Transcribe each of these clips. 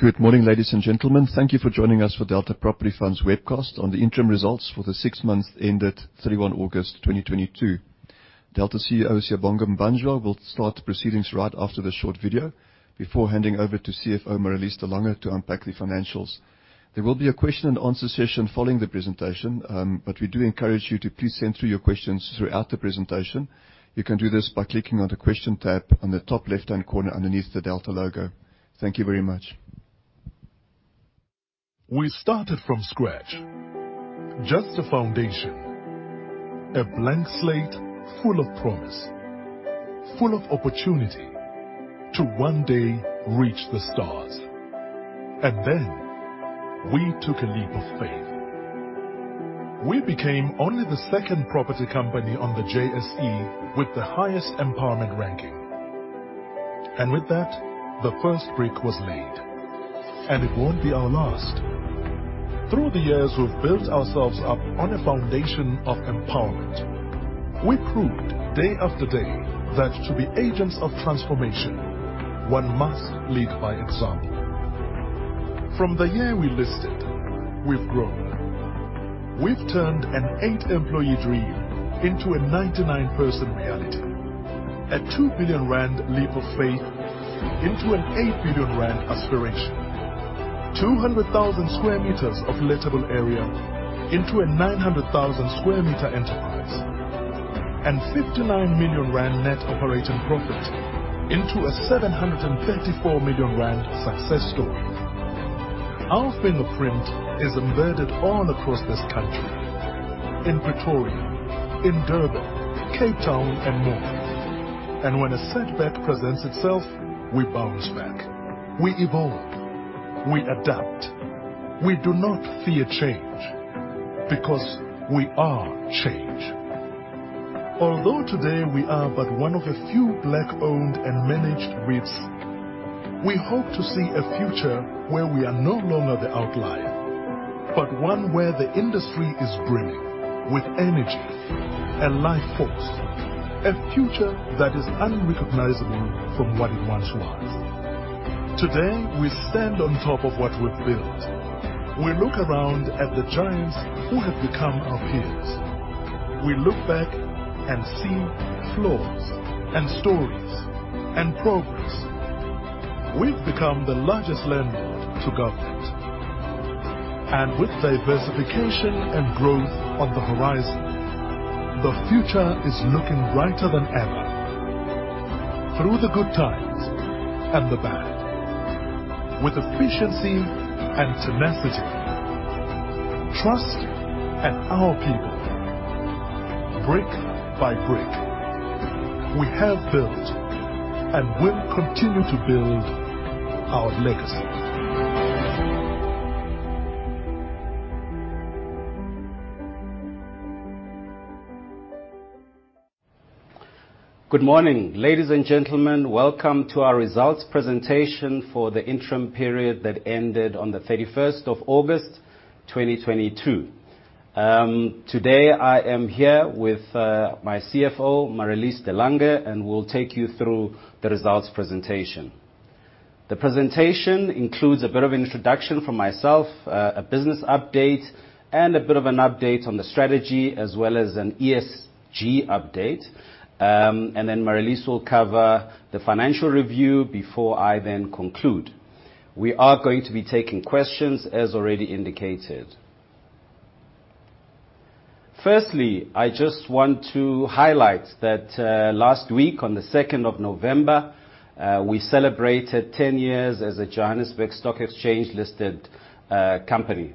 Good morning, ladies and gentlemen. Thank you for joining us for Delta Property Fund's webcast on the interim results for the 6 months ended 31 August 2022. Delta CEO, Siyabonga Mbanjwa, will start proceedings right after this short video before handing over to CFO Marelise de Lange to unpack the financials. There will be a question and answer session following the presentation. We do encourage you to please send through your questions throughout the presentation. You can do this by clicking on the question tab on the top left-hand corner underneath the Delta logo. Thank you very much. We started from scratch. Just a foundation, a blank slate full of promise, full of opportunity to one day reach the stars. Then we took a leap of faith. We became only the second property company on the JSE with the highest empowerment ranking. With that, the first brick was laid, and it won't be our last. Through the years, we've built ourselves up on a foundation of empowerment. We proved day after day that to be agents of transformation, one must lead by example. From the year we listed, we've grown. We've turned an 8-employee dream into a 99-person reality. A 2 billion rand leap of faith into a 8 billion rand aspiration. 200,000 sq m of lettable area into a 900,000 sq m enterprise. 59 million rand net operating profit into a 734 million rand success story. Our fingerprint is embedded all across this country. In Pretoria, in Durban, Cape Town, and more. When a setback presents itself, we bounce back, we evolve, we adapt. We do not fear change because we are change. Although today we are but one of a few Black-owned and managed REITs, we hope to see a future where we are no longer the outlier, but one where the industry is brimming with energy and life force. A future that is unrecognizable from what it once was. Today, we stand on top of what we've built. We look around at the giants who have become our peers. We look back and see floors and stories and progress. We've become the largest lender to government. With diversification and growth on the horizon, the future is looking brighter than ever. Through the good times and the bad, with efficiency and tenacity, trust and our people, brick by brick, we have built and will continue to build our legacy. Good morning, ladies and gentlemen. Welcome to our results presentation for the interim period that ended on the 31st of August 2022. Today, I am here with my CFO, Marelise de Lange, and we'll take you through the results presentation. The presentation includes a bit of introduction from myself, a business update and a bit of an update on the strategy as well as an ESG update. Then Marelise will cover the financial review before I then conclude. We are going to be taking questions as already indicated. Firstly, I just want to highlight that last week on the 2nd of November, we celebrated 10 years as a Johannesburg Stock Exchange listed company.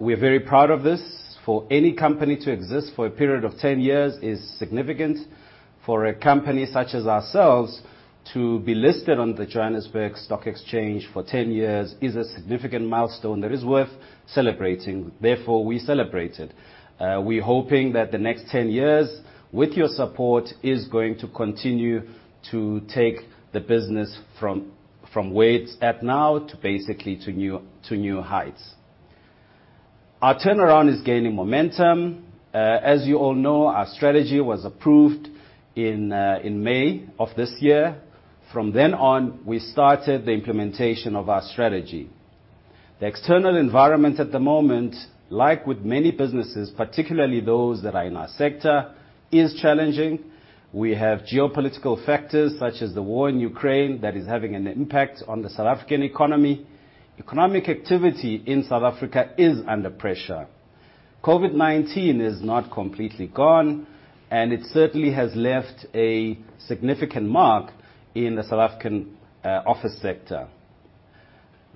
We're very proud of this. For any company to exist for a period of 10 years is significant. For a company such as ourselves to be listed on the Johannesburg Stock Exchange for 10 years is a significant milestone that is worth celebrating. Therefore, we celebrated. We're hoping that the next 10 years with your support, is going to continue to take the business from where it's at now to basically to new heights. Our turnaround is gaining momentum. As you all know, our strategy was approved in May of this year. From then on, we started the implementation of our strategy. The external environment at the moment, like with many businesses, particularly those that are in our sector, is challenging. We have geopolitical factors such as the war in Ukraine that is having an impact on the South African economy. Economic activity in South Africa is under pressure. COVID-19 is not completely gone, and it certainly has left a significant mark in the South African office sector.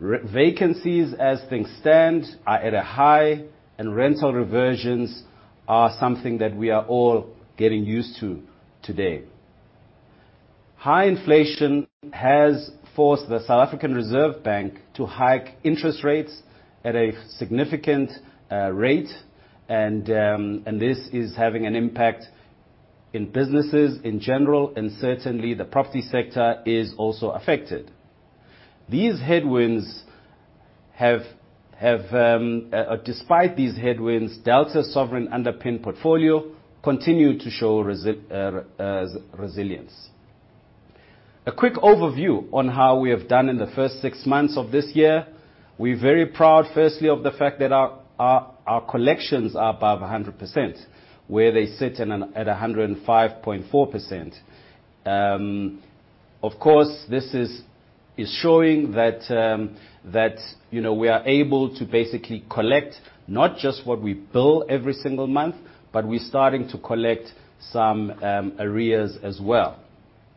Vacancies, as things stand, are at a high, and rental reversions are something that we are all getting used to today. High inflation has forced the South African Reserve Bank to hike interest rates at a significant rate. This is having an impact in businesses in general and certainly the property sector is also affected. Despite these headwinds, Delta's sovereign-underpinned portfolio continued to show resilience. A quick overview on how we have done in the first six months of this year. We're very proud, firstly, of the fact that our collections are above 100%, where they sit at 105.4%. Of course, this is showing that we are able to basically collect not just what we bill every single month, but we're starting to collect some arrears as well.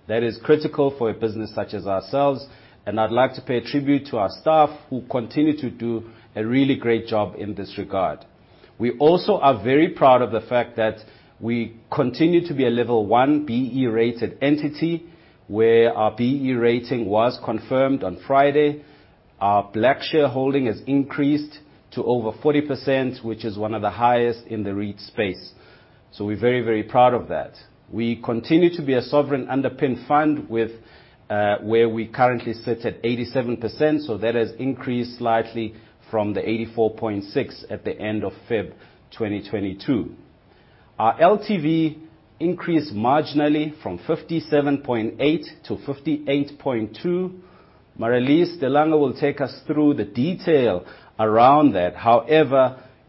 That is critical for a business such as ourselves, and I'd like to pay a tribute to our staff, who continue to do a really great job in this regard. We also are very proud of the fact that we continue to be a level one BEE-rated entity, where our BEE rating was confirmed on Friday. Our black shareholding has increased to over 40%, which is one of the highest in the REIT space. We're very proud of that. We continue to be a sovereign-underpinned fund, where we currently sit at 87%, so that has increased slightly from the 84.6% at the end of February 2022. Our LTV increased marginally from 57.8% to 58.2%. Marelise de Lange will take us through the detail around that.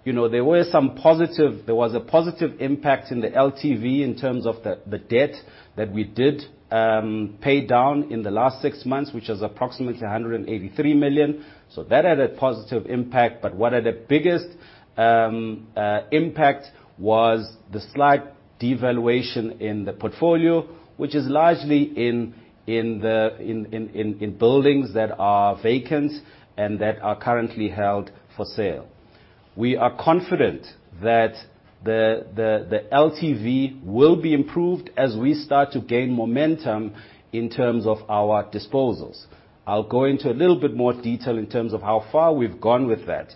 There was a positive impact in the LTV in terms of the debt that we did pay down in the last six months, which was approximately 183 million. That had a positive impact. One of the biggest impact was the slight devaluation in the portfolio, which is largely in buildings that are vacant and that are currently held for sale. We are confident that the LTV will be improved as we start to gain momentum in terms of our disposals. I'll go into a little bit more detail in terms of how far we've gone with that.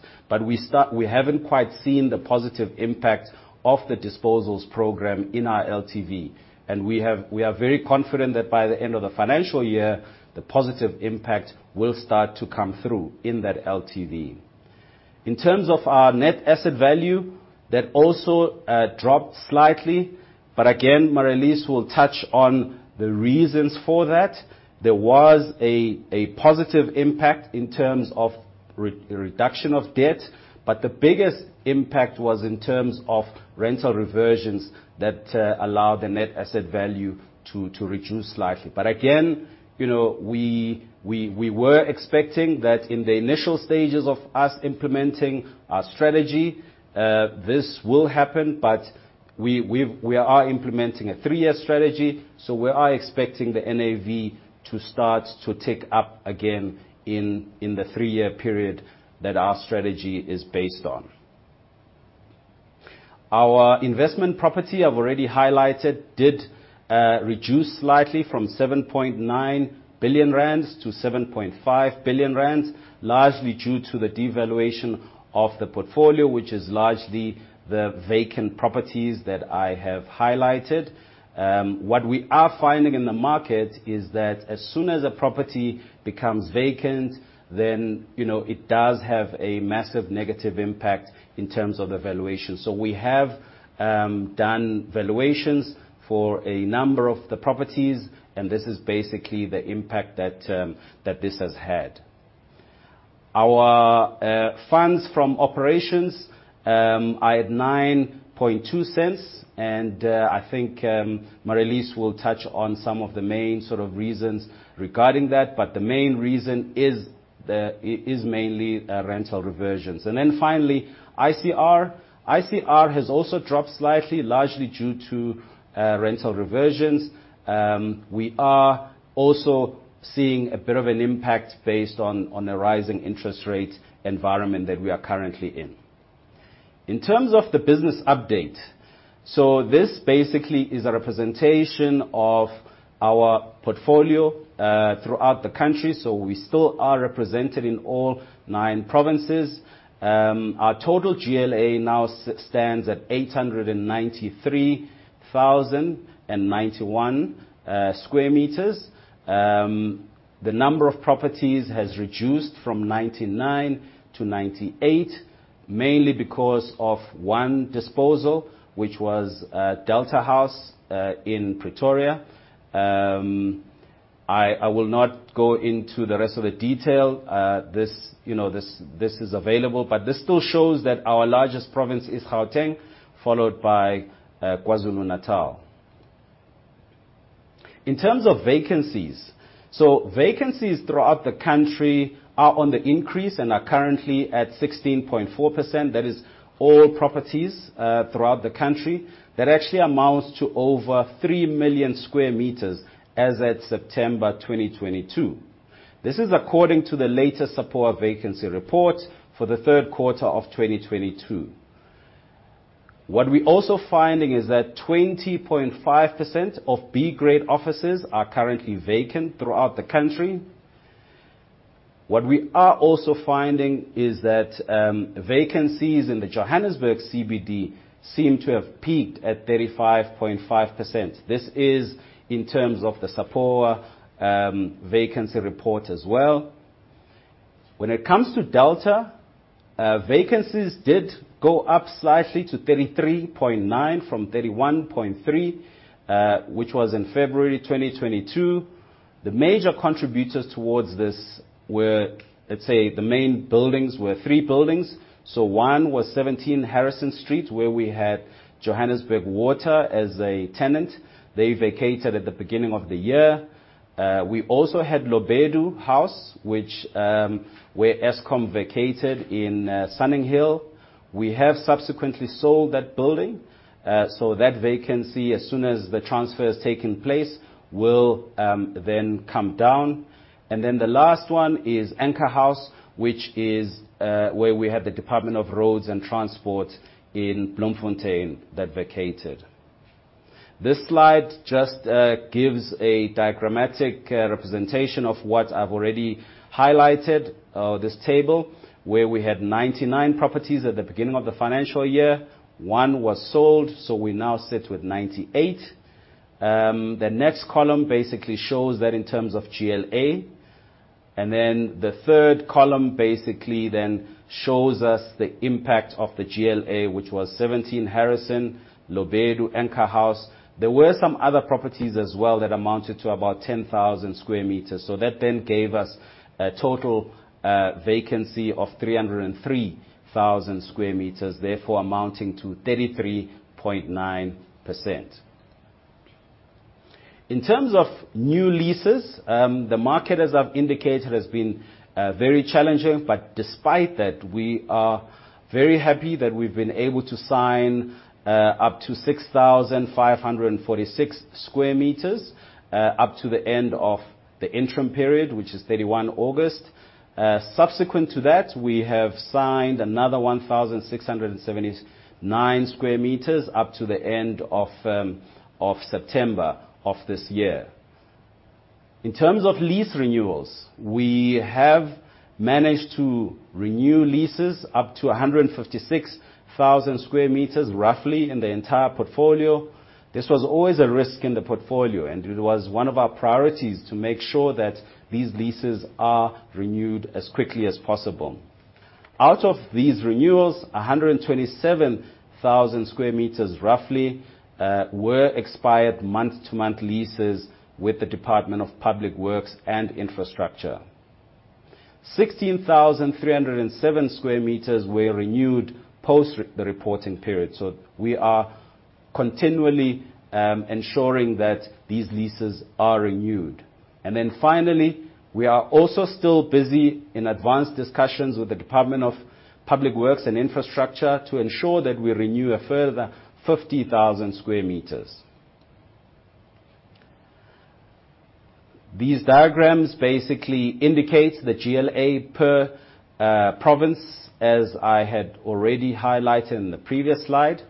We haven't quite seen the positive impact of the disposals program in our LTV, and we are very confident that by the end of the financial year, the positive impact will start to come through in that LTV. In terms of our net asset value, that also dropped slightly. Again, Marélise will touch on the reasons for that. There was a positive impact in terms of reduction of debt, but the biggest impact was in terms of rental reversions that allowed the net asset value to reduce slightly. Again, we were expecting that in the initial stages of us implementing our strategy, this will happen. We are implementing a three-year strategy, so we are expecting the NAV to start to tick up again in the three-year period that our strategy is based on. Our investment property, I've already highlighted, did reduce slightly from 7.9 billion rand to 7.5 billion rand, largely due to the devaluation of the portfolio, which is largely the vacant properties that I have highlighted. What we are finding in the market is that as soon as a property becomes vacant, then it does have a massive negative impact in terms of the valuation. We have done valuations for a number of the properties, and this is basically the impact that this has had. Our funds from operations are at 0.092, and I think Marélise will touch on some of the main sort of reasons regarding that. The main reason is mainly rental reversions. Finally, ICR. ICR has also dropped slightly, largely due to rental reversions. We are also seeing a bit of an impact based on the rising interest rate environment that we are currently in. In terms of the business update. This basically is a representation of our portfolio throughout the country. We still are represented in all nine provinces. Our total GLA now stands at 893,091 sq m. The number of properties has reduced from 99 to 98, mainly because of one disposal, which was Delta House in Pretoria. I will not go into the rest of the detail. This is available, but this still shows that our largest province is Gauteng, followed by KwaZulu-Natal. In terms of vacancies. Vacancies throughout the country are on the increase and are currently at 16.4%. That is all properties throughout the country. That actually amounts to over 3 million sq m as at September 2022. This is according to the latest SAPOA vacancy report for the third quarter of 2022. What we're also finding is that 20.5% of B-grade offices are currently vacant throughout the country. What we are also finding is that vacancies in the Johannesburg CBD seem to have peaked at 35.5%. This is in terms of the SAPOA vacancy report as well. When it comes to Delta, vacancies did go up slightly to 33.9 from 31.3, which was in February 2022. The major contributors towards this were, let's say, the main buildings, were three buildings. One was 17 Harrison Street, where we had Johannesburg Water as a tenant. They vacated at the beginning of the year. We also had Lobedu House, where Eskom vacated in Sunninghill. We have subsequently sold that building, so that vacancy, as soon as the transfer has taken place, will then come down. The last one is Anchor House, which is where we had the Department of Roads and Transport in Bloemfontein that vacated. This slide just gives a diagrammatic representation of what I've already highlighted. This table where we had 99 properties at the beginning of the financial year. One was sold, so we now sit with 98. The next column basically shows that in terms of GLA. The third column basically then shows us the impact of the GLA, which was 17 Harrison, Lobedu, Anchor House. There were some other properties as well that amounted to about 10,000 square meters. That then gave us a total vacancy of 303,000 square meters, therefore amounting to 33.9%. In terms of new leases, the market, as I've indicated, has been very challenging. Despite that, we are very happy that we've been able to sign up to 6,546 square meters up to the end of the interim period, which is 31 August. Subsequent to that, we have signed another 1,679 square meters up to the end of September of this year. In terms of lease renewals, we have managed to renew leases up to 156,000 square meters roughly in the entire portfolio. This was always a risk in the portfolio, and it was one of our priorities to make sure that these leases are renewed as quickly as possible. Out of these renewals, 127,000 square meters roughly were expired month-to-month leases with the Department of Public Works and Infrastructure. 16,307 square meters were renewed post the reporting period. Finally, we are also still busy in advanced discussions with the Department of Public Works and Infrastructure to ensure that we renew a further 50,000 square meters. These diagrams basically indicate the GLA per province, as I had already highlighted in the previous slide.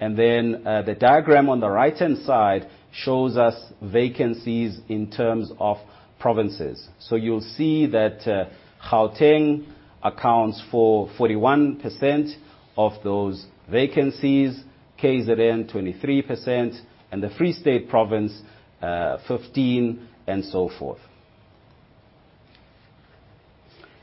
The diagram on the right-hand side shows us vacancies in terms of provinces. You'll see that Gauteng accounts for 41% of those vacancies, KZN 23%, and the Free State province 15, and so forth.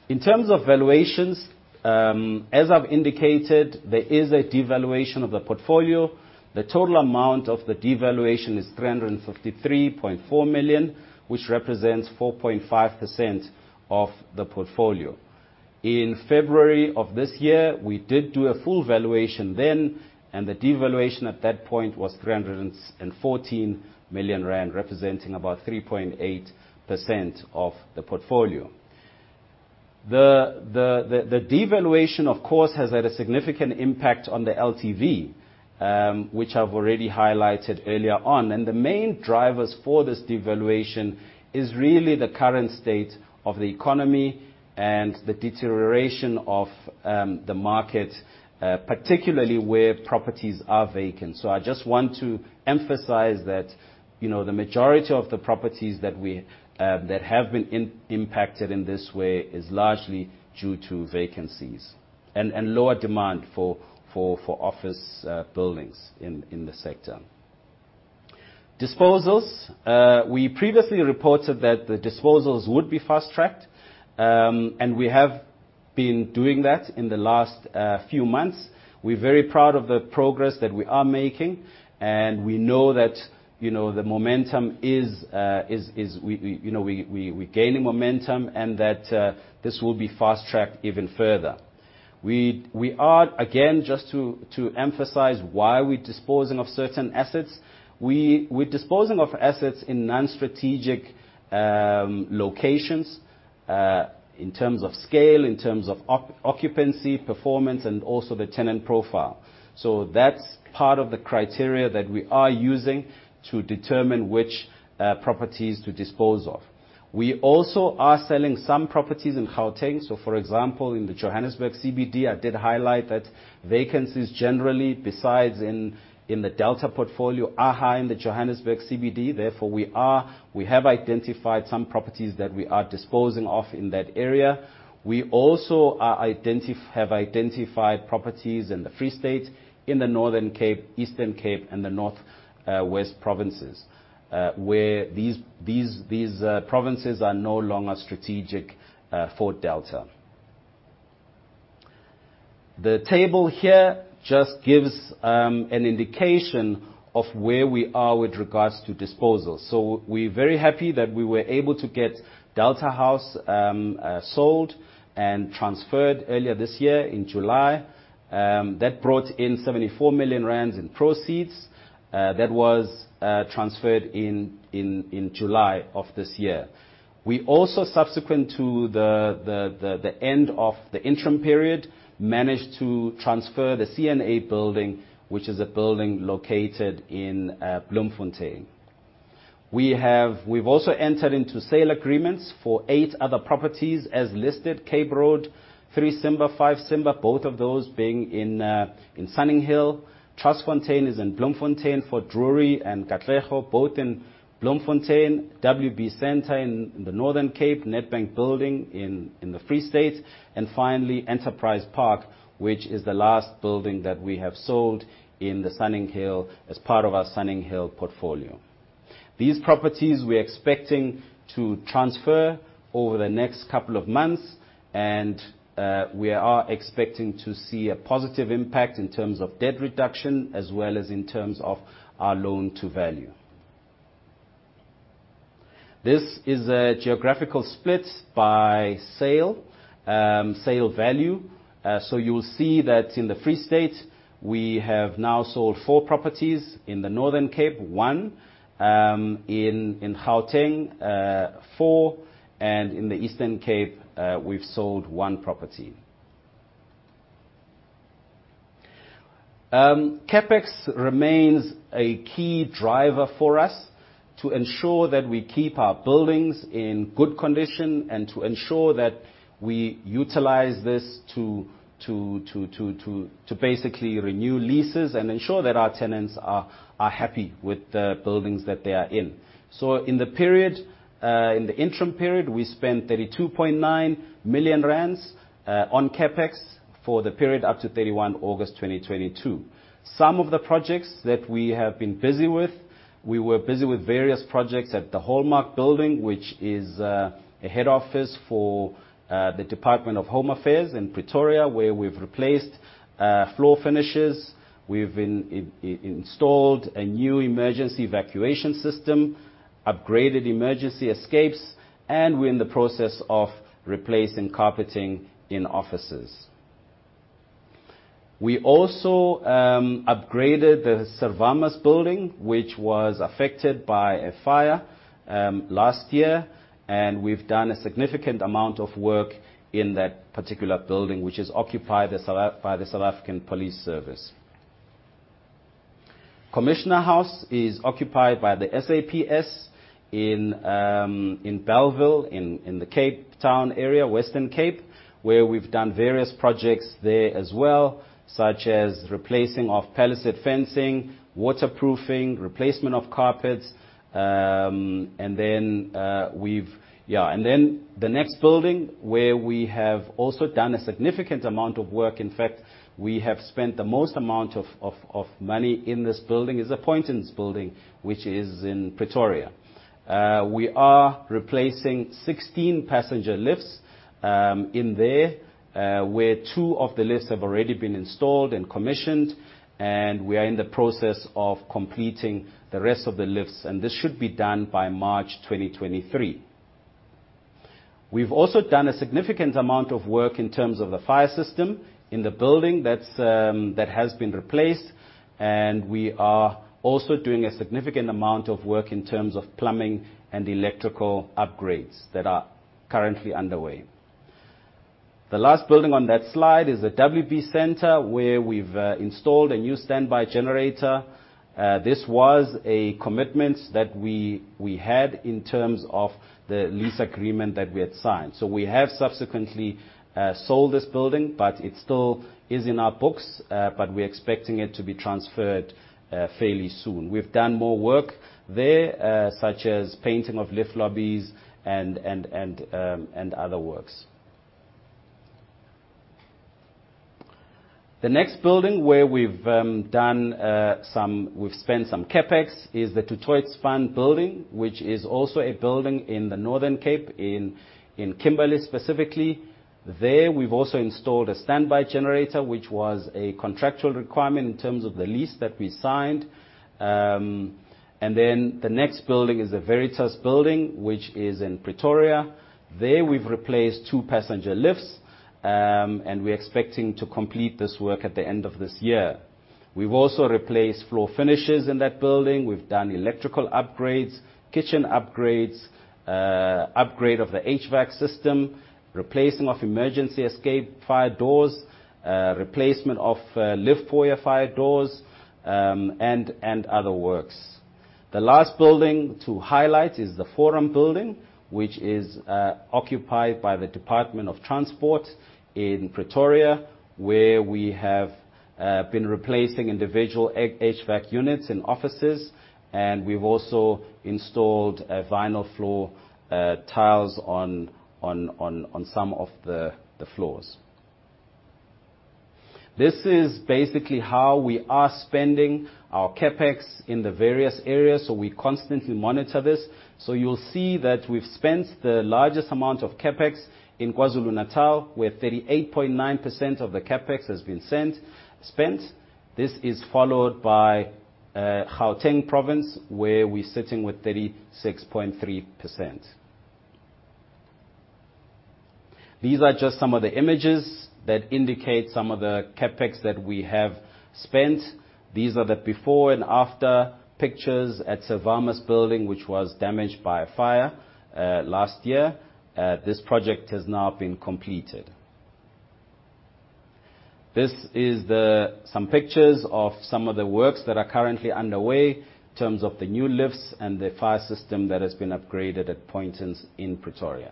In terms of valuations, as I've indicated, there is a devaluation of the portfolio. The total amount of the devaluation is 353.4 million, which represents 4.5% of the portfolio. In February of this year, we did do a full valuation then, and the devaluation at that point was 314 million rand, representing about 3.8% of the portfolio. The devaluation, of course, has had a significant impact on the LTV, which I've already highlighted earlier on. The main drivers for this devaluation is really the current state of the economy and the deterioration of the market, particularly where properties are vacant. I just want to emphasize that the majority of the properties that have been impacted in this way is largely due to vacancies and lower demand for office buildings in the sector. Disposals. We previously reported that the disposals would be fast-tracked, and we have been doing that in the last few months. We're very proud of the progress that we are making, and we know that we're gaining momentum, and that this will be fast-tracked even further. Again, just to emphasize why we're disposing of certain assets, we're disposing of assets in non-strategic locations in terms of scale, in terms of occupancy, performance, and also the tenant profile. That's part of the criteria that we are using to determine which properties to dispose of. We also are selling some properties in Gauteng. For example, in the Johannesburg CBD, I did highlight that vacancies generally, besides in the Delta portfolio, are high in the Johannesburg CBD. Therefore, we have identified some properties that we are disposing of in that area. We also have identified properties in the Free State, in the Northern Cape, Eastern Cape, and the North West provinces, where these provinces are no longer strategic for Delta. The table here just gives an indication of where we are with regards to disposal. We're very happy that we were able to get Delta House sold and transferred earlier this year in July. That brought in 74 million rand in proceeds that was transferred in July of this year. We also, subsequent to the end of the interim period, managed to transfer the CNA building, which is a building located in Bloemfontein. We've also entered into sale agreements for 8 other properties as listed, Cape Road, 3 Simba, 5 Simba, both of those being in Sunninghill. Trustfontein is in Bloemfontein, Fort Drury and Katlego, both in Bloemfontein, WB Centre in the Northern Cape, Nedbank Building in the Free State, and finally, Enterprise Park, which is the last building that we have sold in the Sunninghill as part of our Sunninghill portfolio. These properties, we're expecting to transfer over the next couple of months, and we are expecting to see a positive impact in terms of debt reduction as well as in terms of our loan to value. This is a geographical split by sale value. You'll see that in the Free State, we have now sold four properties, in the Northern Cape, one, in Gauteng, four, and in the Eastern Cape, we've sold one property. CapEx remains a key driver for us to ensure that we keep our buildings in good condition and to ensure that we utilize this to basically renew leases and ensure that our tenants are happy with the buildings that they are in. In the interim period, we spent 32.9 million rand on CapEx for the period up to 31 August 2022. Some of the projects that we have been busy with, we were busy with various projects at the Hallmark Building, which is a head office for the Department of Home Affairs in Pretoria, where we've replaced floor finishes, we've installed a new emergency evacuation system, upgraded emergency escapes, and we're in the process of replacing carpeting in offices. We also upgraded the Servamus Building, which was affected by a fire last year, and we've done a significant amount of work in that particular building, which is occupied by the South African Police Service. Commissioner House is occupied by the SAPS in Bellville, in the Cape Town area, Western Cape, where we've done various projects there as well, such as replacing of palisade fencing, waterproofing, replacement of carpets. The next building where we have also done a significant amount of work, in fact, we have spent the most amount of money in this building, is the Poynton Building, which is in Pretoria. We are replacing 16 passenger lifts in there, where two of the lifts have already been installed and commissioned, and we are in the process of completing the rest of the lifts, and this should be done by March 2023. We've also done a significant amount of work in terms of the fire system in the building, that has been replaced, we are also doing a significant amount of work in terms of plumbing and electrical upgrades that are currently underway. The last building on that slide is the WB Centre, where we've installed a new standby generator. This was a commitment that we had in terms of the lease agreement that we had signed. We have subsequently sold this building, but it still is in our books, but we're expecting it to be transferred fairly soon. We've done more work there, such as painting of lift lobbies and other works. The next building where we've spent some CapEx is the Du Toitspan Building, which is also a building in the Northern Cape, in Kimberley, specifically. There, we've also installed a standby generator, which was a contractual requirement in terms of the lease that we signed. The next building is the Veritas Building, which is in Pretoria. There, we've replaced two passenger lifts, and we're expecting to complete this work at the end of this year. We've also replaced floor finishes in that building. We've done electrical upgrades, kitchen upgrades, upgrade of the HVAC system, replacing of emergency escape fire doors, replacement of lift foyer fire doors, and other works. The last building to highlight is the Forum Building, which is occupied by the Department of Transport in Pretoria, where we have been replacing individual HVAC units in offices, and we've also installed vinyl floor tiles on some of the floors. This is basically how we are spending our CapEx in the various areas. We constantly monitor this. You'll see that we've spent the largest amount of CapEx in KwaZulu-Natal, where 38.9% of the CapEx has been spent. This is followed by Gauteng Province, where we're sitting with 36.3%. These are just some of the images that indicate some of the CapEx that we have spent. These are the before and after pictures at Servamus Building, which was damaged by a fire last year. This project has now been completed. This is some pictures of some of the works that are currently underway in terms of the new lifts and the fire system that has been upgraded at Poynton in Pretoria.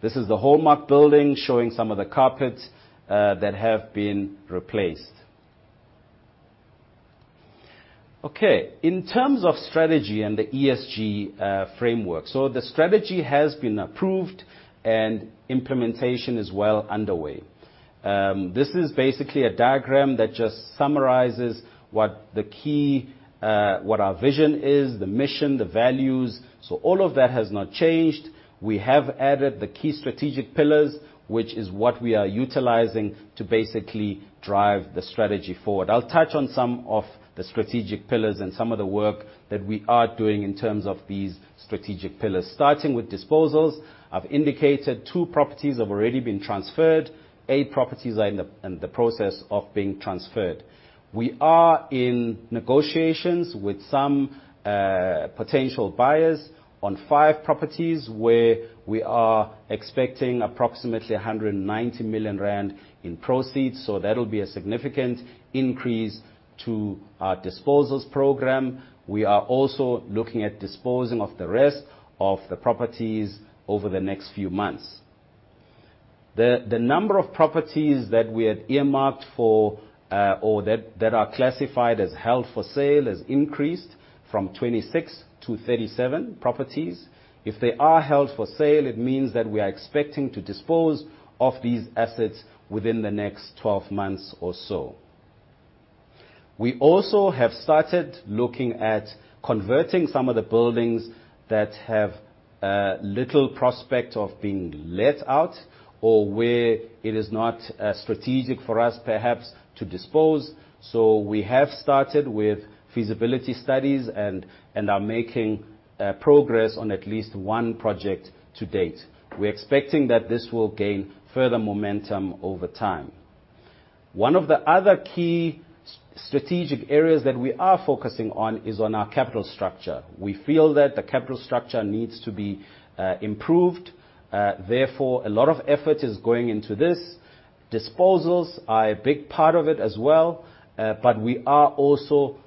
This is the Hallmark Building, showing some of the carpets that have been replaced. Okay, in terms of strategy and the ESG framework. The strategy has been approved and implementation is well underway. This is basically a diagram that just summarizes what our vision is, the mission, the values. All of that has not changed. We have added the key strategic pillars, which is what we are utilizing to basically drive the strategy forward. I'll touch on some of the strategic pillars and some of the work that we are doing in terms of these strategic pillars. Starting with disposals, I've indicated 2 properties have already been transferred, 8 properties are in the process of being transferred. We are in negotiations with some potential buyers on 5 properties, where we are expecting approximately 190 million rand in proceeds. That'll be a significant increase to our disposals program. We are also looking at disposing of the rest of the properties over the next few months. The number of properties that we had earmarked for or that are classified as held for sale, has increased from 26 to 37 properties. If they are held for sale, it means that we are expecting to dispose of these assets within the next 12 months or so. We also have started looking at converting some of the buildings that have little prospect of being let out or where it is not strategic for us perhaps to dispose. We have started with feasibility studies and are making progress on at least 1 project to date. We're expecting that this will gain further momentum over time. One of the other key strategic areas that we are focusing is on our capital structure. We feel that the capital structure needs to be improved. Therefore, a lot of effort is going into this. Disposals are a big part of it as well. We are also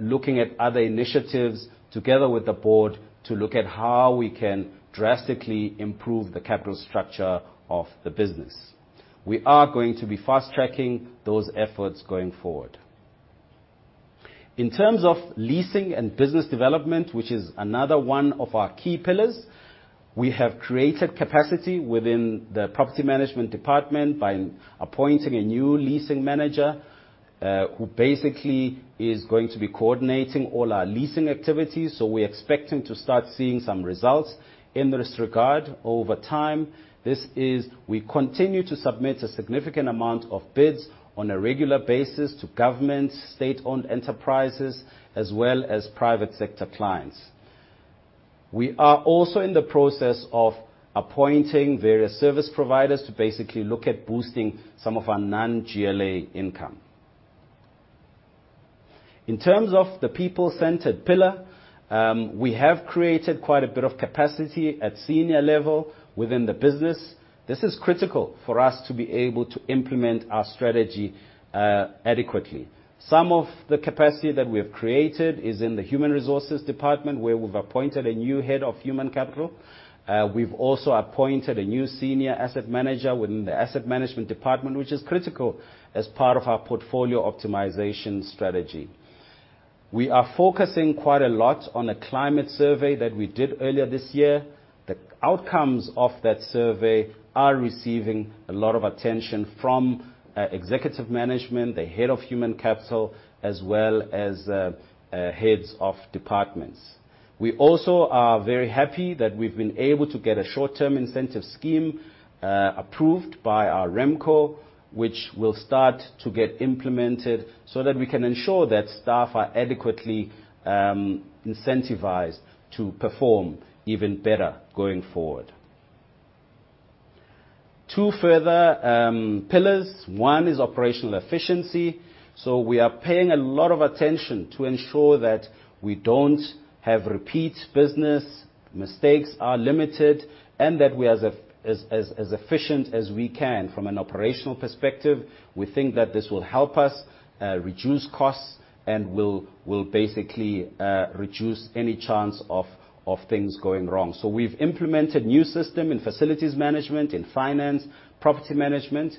looking at other initiatives together with the board to look at how we can drastically improve the capital structure of the business. We are going to be fast-tracking those efforts going forward. In terms of leasing and business development, which is another 1 of our key pillars, we have created capacity within the property management department by appointing a new leasing manager, who basically is going to be coordinating all our leasing activities. We're expecting to start seeing some results in this regard over time. We continue to submit a significant amount of bids on a regular basis to government, state-owned enterprises, as well as private sector clients. We are also in the process of appointing various service providers to basically look at boosting some of our non-GLA income. In terms of the people-centered pillar, we have created quite a bit of capacity at senior level within the business. This is critical for us to be able to implement our strategy adequately. Some of the capacity that we have created is in the human resources department, where we've appointed a new head of human capital. We've also appointed a new senior asset manager within the asset management department, which is critical as part of our portfolio optimization strategy. We are focusing quite a lot on a climate survey that we did earlier this year. The outcomes of that survey are receiving a lot of attention from executive management, the head of human capital, as well as heads of departments. We also are very happy that we've been able to get a short-term incentive scheme approved by our RemCo, which will start to get implemented so that we can ensure that staff are adequately incentivized to perform even better going forward. Two further pillars. One is operational efficiency. We are paying a lot of attention to ensure that we don't have repeat business, mistakes are limited, and that we are as efficient as we can from an operational perspective. We think that this will help us reduce costs and will basically reduce any chance of things going wrong. We've implemented a new system in facilities management, in finance, property management,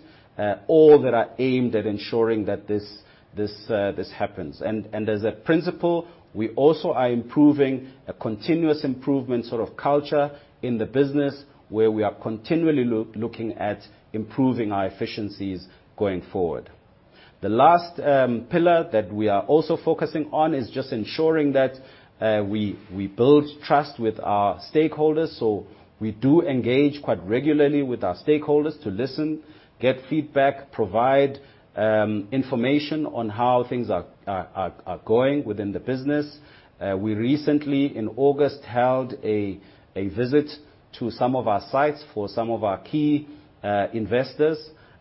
all that are aimed at ensuring that this happens. As a principle, we also are improving a continuous improvement sort of culture in the business where we are continually looking at improving our efficiencies going forward. The last pillar that we are also focusing on is just ensuring that we build trust with our stakeholders. We do engage quite regularly with our stakeholders to listen, get feedback, provide information on how things are going within the business. We recently, in August, held a visit to some of our sites for some of our key investors,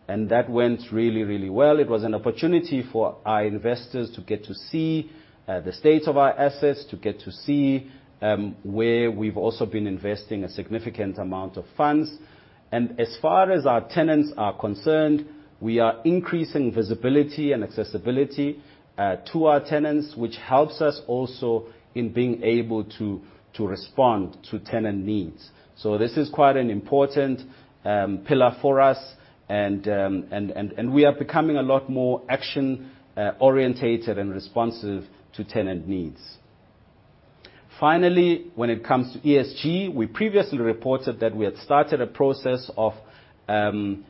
and that went really, really well. It was an opportunity for our investors to get to see the state of our assets, to get to see where we've also been investing a significant amount of funds. As far as our tenants are concerned, we are increasing visibility and accessibility to our tenants, which helps us also in being able to respond to tenant needs. This is quite an important pillar for us and we are becoming a lot more action-orientated and responsive to tenant needs. Finally, when it comes to ESG, we previously reported that we had started a process of doing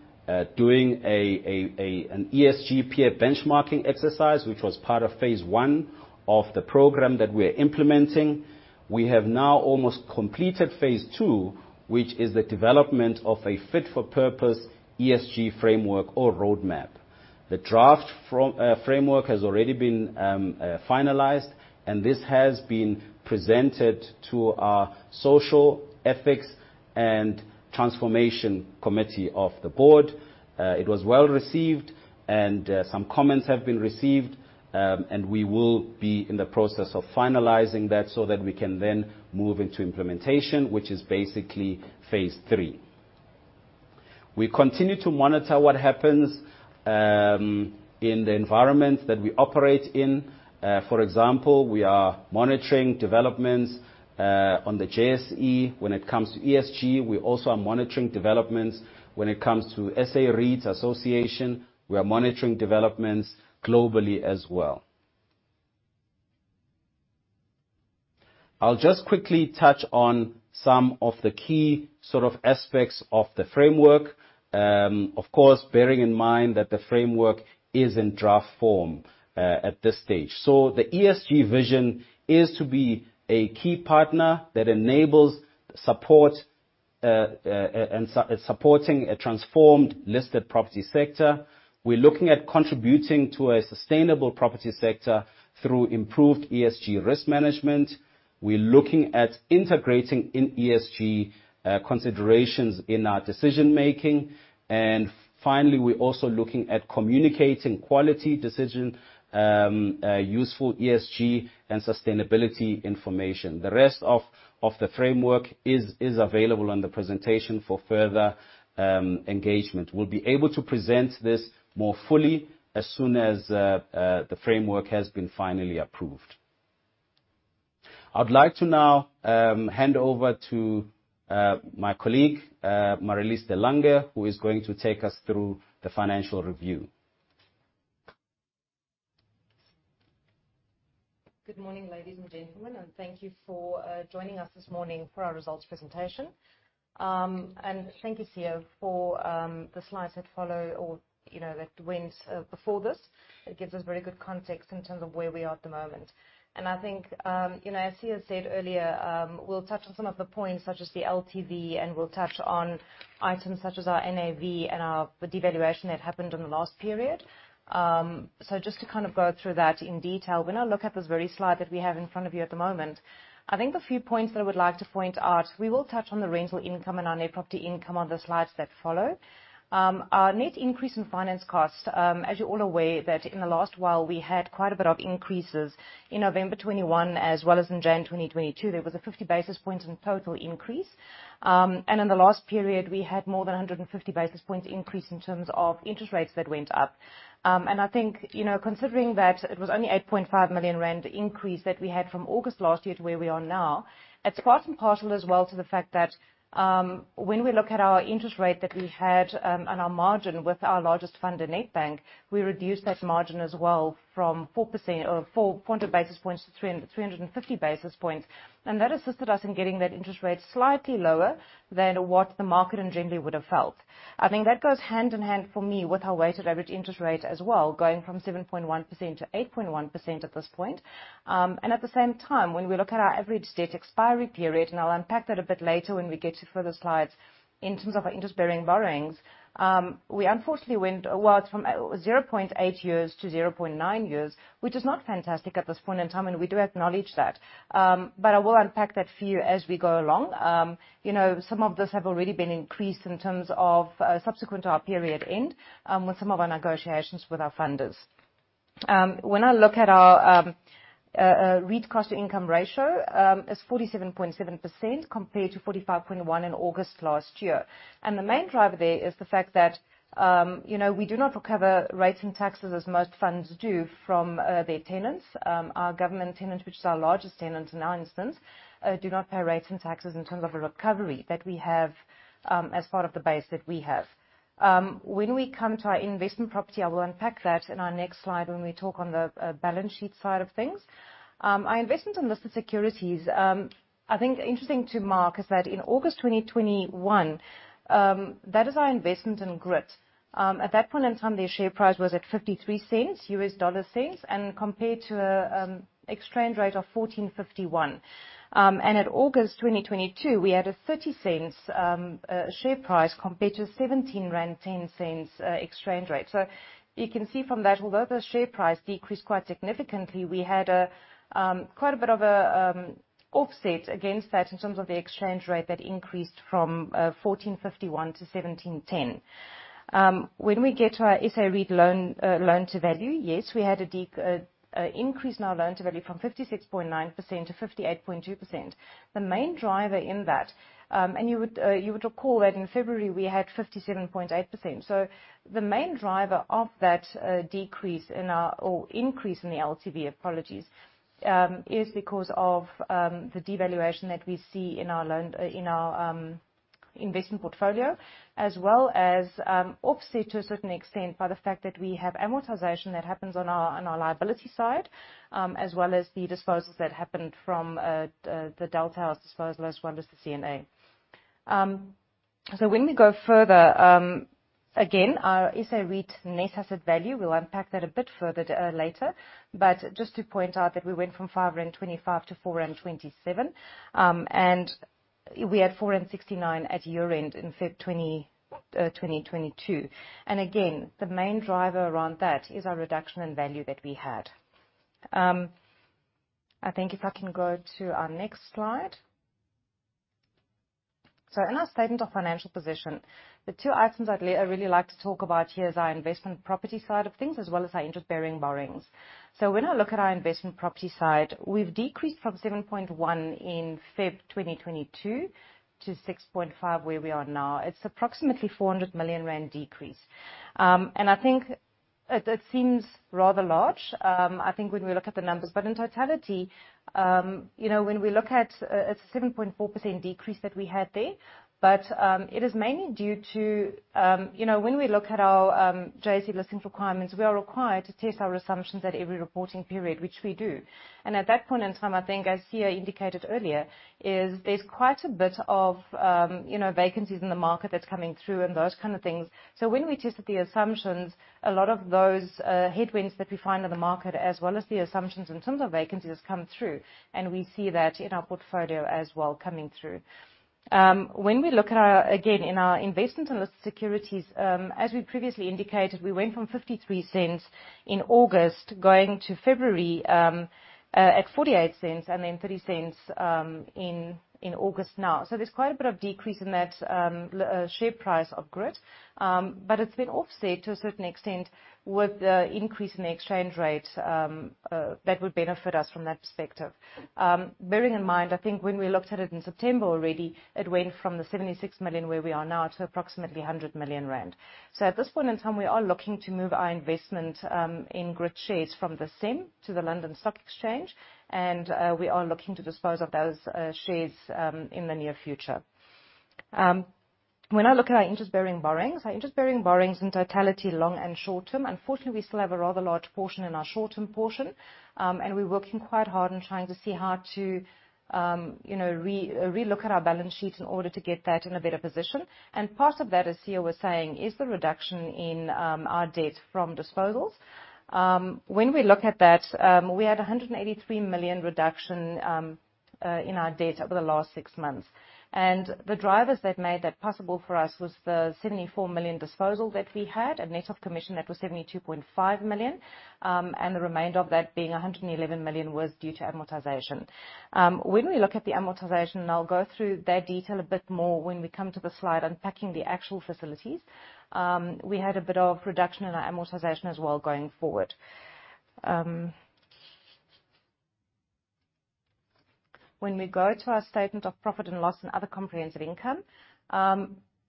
an ESG peer benchmarking exercise, which was part of phase 1 of the program that we're implementing. We have now almost completed phase 2, which is the development of a fit for purpose ESG framework or roadmap. The draft framework has already been finalized. This has been presented to our social, ethics, and transformation committee of the board. It was well-received, and some comments have been received. We will be in the process of finalizing that so that we can then move into implementation, which is basically phase 3. We continue to monitor what happens in the environment that we operate in. For example, we are monitoring developments on the JSE when it comes to ESG. We also are monitoring developments when it comes to SA REIT Association. We are monitoring developments globally as well. I'll just quickly touch on some of the key sort of aspects of the framework. Of course, bearing in mind that the framework is in draft form at this stage. The ESG vision is to be a key partner that enables supporting a transformed listed property sector. We're looking at contributing to a sustainable property sector through improved ESG risk management. We're looking at integrating ESG considerations in our decision making. Finally, we're also looking at communicating quality decision, useful ESG, and sustainability information. The rest of the framework is available on the presentation for further engagement. We'll be able to present this more fully as soon as the framework has been finally approved. I'd like to now hand over to my colleague, Marelise de Lange, who is going to take us through the financial review. Good morning, ladies and gentlemen, and thank you for joining us this morning for our results presentation. Thank you, Siya, for the slides that follow or that went before this. It gives us very good context in terms of where we are at the moment. I think, as Siya said earlier, we'll touch on some of the points such as the LTV, and we'll touch on items such as our NAV and the devaluation that happened in the last period. Just to kind of go through that in detail, when I look at this very slide that we have in front of you at the moment, I think the few points that I would like to point out, we will touch on the rental income and our net property income on the slides that follow. Our net increase in finance costs, as you're all aware that in the last while, we had quite a bit of increases in November 2021, as well as in January 2022. There was a 50 basis point in total increase. In the last period, we had more than 150 basis points increase in terms of interest rates that went up. I think, considering that it was only 8.5 million rand increase that we had from August last year to where we are now, it's part and parcel as well to the fact that, when we look at our interest rate that we had, and our margin with our largest funder, Nedbank, we reduced that margin as well from 4% or 400 basis points to 350 basis points. That assisted us in getting that interest rate slightly lower than what the market in generally would have felt. I think that goes hand in hand for me with our weighted average interest rate as well, going from 7.1% to 8.1% at this point. At the same time, when we look at our average debt expiry period, and I'll unpack that a bit later when we get to further slides, in terms of our interest-bearing borrowings, we unfortunately went whilst from 0.8 years to 0.9 years, which is not fantastic at this point in time, and we do acknowledge that. I will unpack that for you as we go along. Some of this have already been increased in terms of subsequent to our period end, with some of our negotiations with our funders. When I look at our REIT cost to income ratio, is 47.7% compared to 45.1% in August last year. The main driver there is the fact that we do not recover rates and taxes as most funds do from their tenants. Our government tenants, which is our largest tenant in our instance, do not pay rates and taxes in terms of a recovery that we have as part of the base that we have. When we come to our investment property, I will unpack that in our next slide when we talk on the balance sheet side of things. Our investment in listed securities, I think interesting to mark is that in August 2021, that is our investment in Grit. At that point in time, their share price was at 0.53, compared to an exchange rate of 14.51. At August 2022, we had a 0.30 share price compared to 17.10 rand exchange rate. You can see from that, although the share price decreased quite significantly, we had quite a bit of an offset against that in terms of the exchange rate that increased from 14.51 to 17.10. We get to our SA REIT loan to value, yes, we had an increase in our loan to value from 56.9% to 58.2%. The main driver in that, and you would recall that in February we had 57.8%. The main driver of that increase in the LTV, is because of the devaluation that we see in our investment portfolio, as well as offset to a certain extent by the fact that we have amortization that happens on our liability side, as well as the disposals that happened from the Delta House disposal, as well as the CNA. We go further, again, our SA REIT net asset value, we'll unpack that a bit further later. Just to point out that we went from 525 to 427, and we had 469 at year-end in February 2022. Again, the main driver around that is our reduction in value that we had. I think if I can go to our next slide. In our statement of financial position, the two items I'd really like to talk about here is our investment property side of things, as well as our interest-bearing borrowings. When I look at our investment property side, we've decreased from 7.1 billion in February 2022 to 6.5 billion, where we are now. It's approximately 400 million rand decrease. I think it seems rather large, I think when we look at the numbers. In totality, when we look at a 7.4% decrease that we had there, but it is mainly due to, when we look at our JSE listing requirements, we are required to test our assumptions at every reporting period, which we do. At that point in time, I think, as Siya indicated earlier, is there's quite a bit of vacancies in the market that's coming through and those kind of things. When we tested the assumptions, a lot of those headwinds that we find in the market, as well as the assumptions in terms of vacancies, come through, and we see that in our portfolio as well coming through. We look at our, again, in our investment in listed securities, as we previously indicated, we went from $0.53 in August, going to February, at $0.48, and then $0.30 in August now. There's quite a bit of decrease in that share price of Grit. It's been offset to a certain extent with the increase in the exchange rate that would benefit us from that perspective. Bearing in mind, I think when we looked at it in September already, it went from the 76 million where we are now to approximately 100 million rand. At this point in time, we are looking to move our investment in Grit shares from the SEM to the London Stock Exchange, and we are looking to dispose of those shares in the near future. When I look at our interest-bearing borrowings, our interest-bearing borrowings in totality, long and short-term, unfortunately, we still have a rather large portion in our short-term portion. We're working quite hard on trying to see how to relook at our balance sheet in order to get that in a better position. Part of that, as Siya was saying, is the reduction in our debt from disposals. When we look at that, we had 183 million reduction in our debt over the last six months. The drivers that made that possible for us was the 74 million disposal that we had. A net of commission that was 72.5 million, and the remainder of that being 111 million was due to amortization. When we look at the amortization, and I'll go through that detail a bit more when we come to the slide unpacking the actual facilities, we had a bit of reduction in our amortization as well going forward. We go to our statement of profit and loss and other comprehensive income.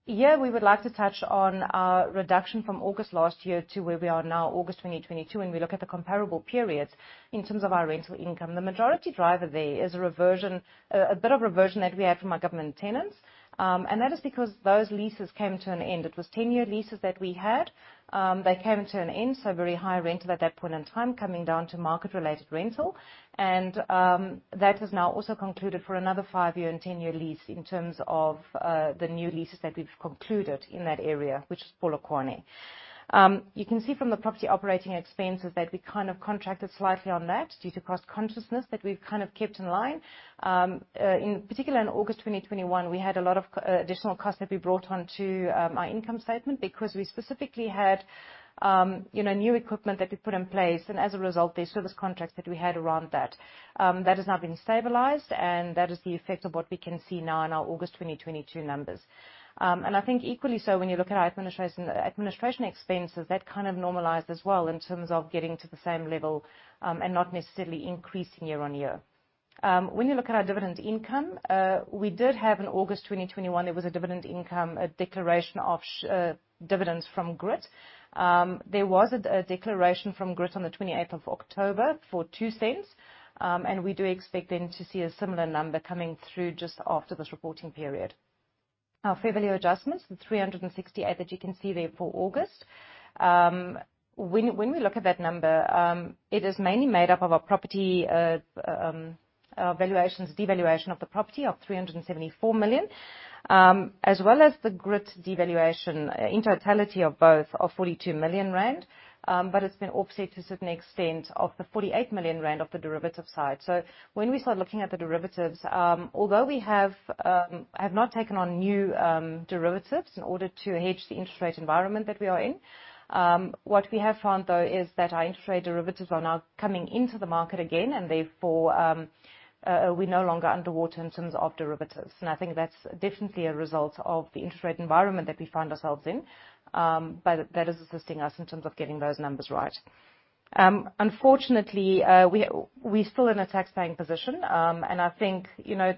Here, we would like to touch on our reduction from August 2021 to where we are now, August 2022, when we look at the comparable periods in terms of our rental income. The majority driver there is a bit of reversion that we had from our government tenants. That is because those leases came to an end. It was 10-year leases that we had. They came to an end, so very high rental at that point in time, coming down to market-related rental. That has now also concluded for another five-year and 10-year lease in terms of the new leases that we've concluded in that area, which is Polokwane. You can see from the property operating expenses that we kind of contracted slightly on that due to cost consciousness that we've kind of kept in line. In particular, in August 2021, we had a lot of additional costs that we brought onto our income statement because we specifically had new equipment that we put in place. As a result, the service contracts that we had around that. That has now been stabilized, and that is the effect of what we can see now in our August 2022 numbers. I think equally so, when you look at our administration expenses, that kind of normalized as well in terms of getting to the same level, and not necessarily increasing year-over-year. When you look at our dividend income, we did have in August 2021, there was a dividend income, a declaration of dividends from Grit. There was a declaration from Grit on the 28th of October for 0.02. We do expect then to see a similar number coming through just after this reporting period. Our fair value adjustments, the 368 that you can see there for August. When we look at that number, it is mainly made up of our valuations, devaluation of the property of 374 million, as well as the Grit devaluation in totality of both are 42 million rand. It's been offset to a certain extent of the 48 million rand of the derivative side. When we start looking at the derivatives, although we have not taken on new derivatives in order to hedge the interest rate environment that we are in, what we have found, though, is that our interest rate derivatives are now coming into the market again, and therefore, we're no longer underwater in terms of derivatives. I think that's definitely a result of the interest rate environment that we find ourselves in. That is assisting us in terms of getting those numbers right. Unfortunately, we are still in a taxpaying position. I think,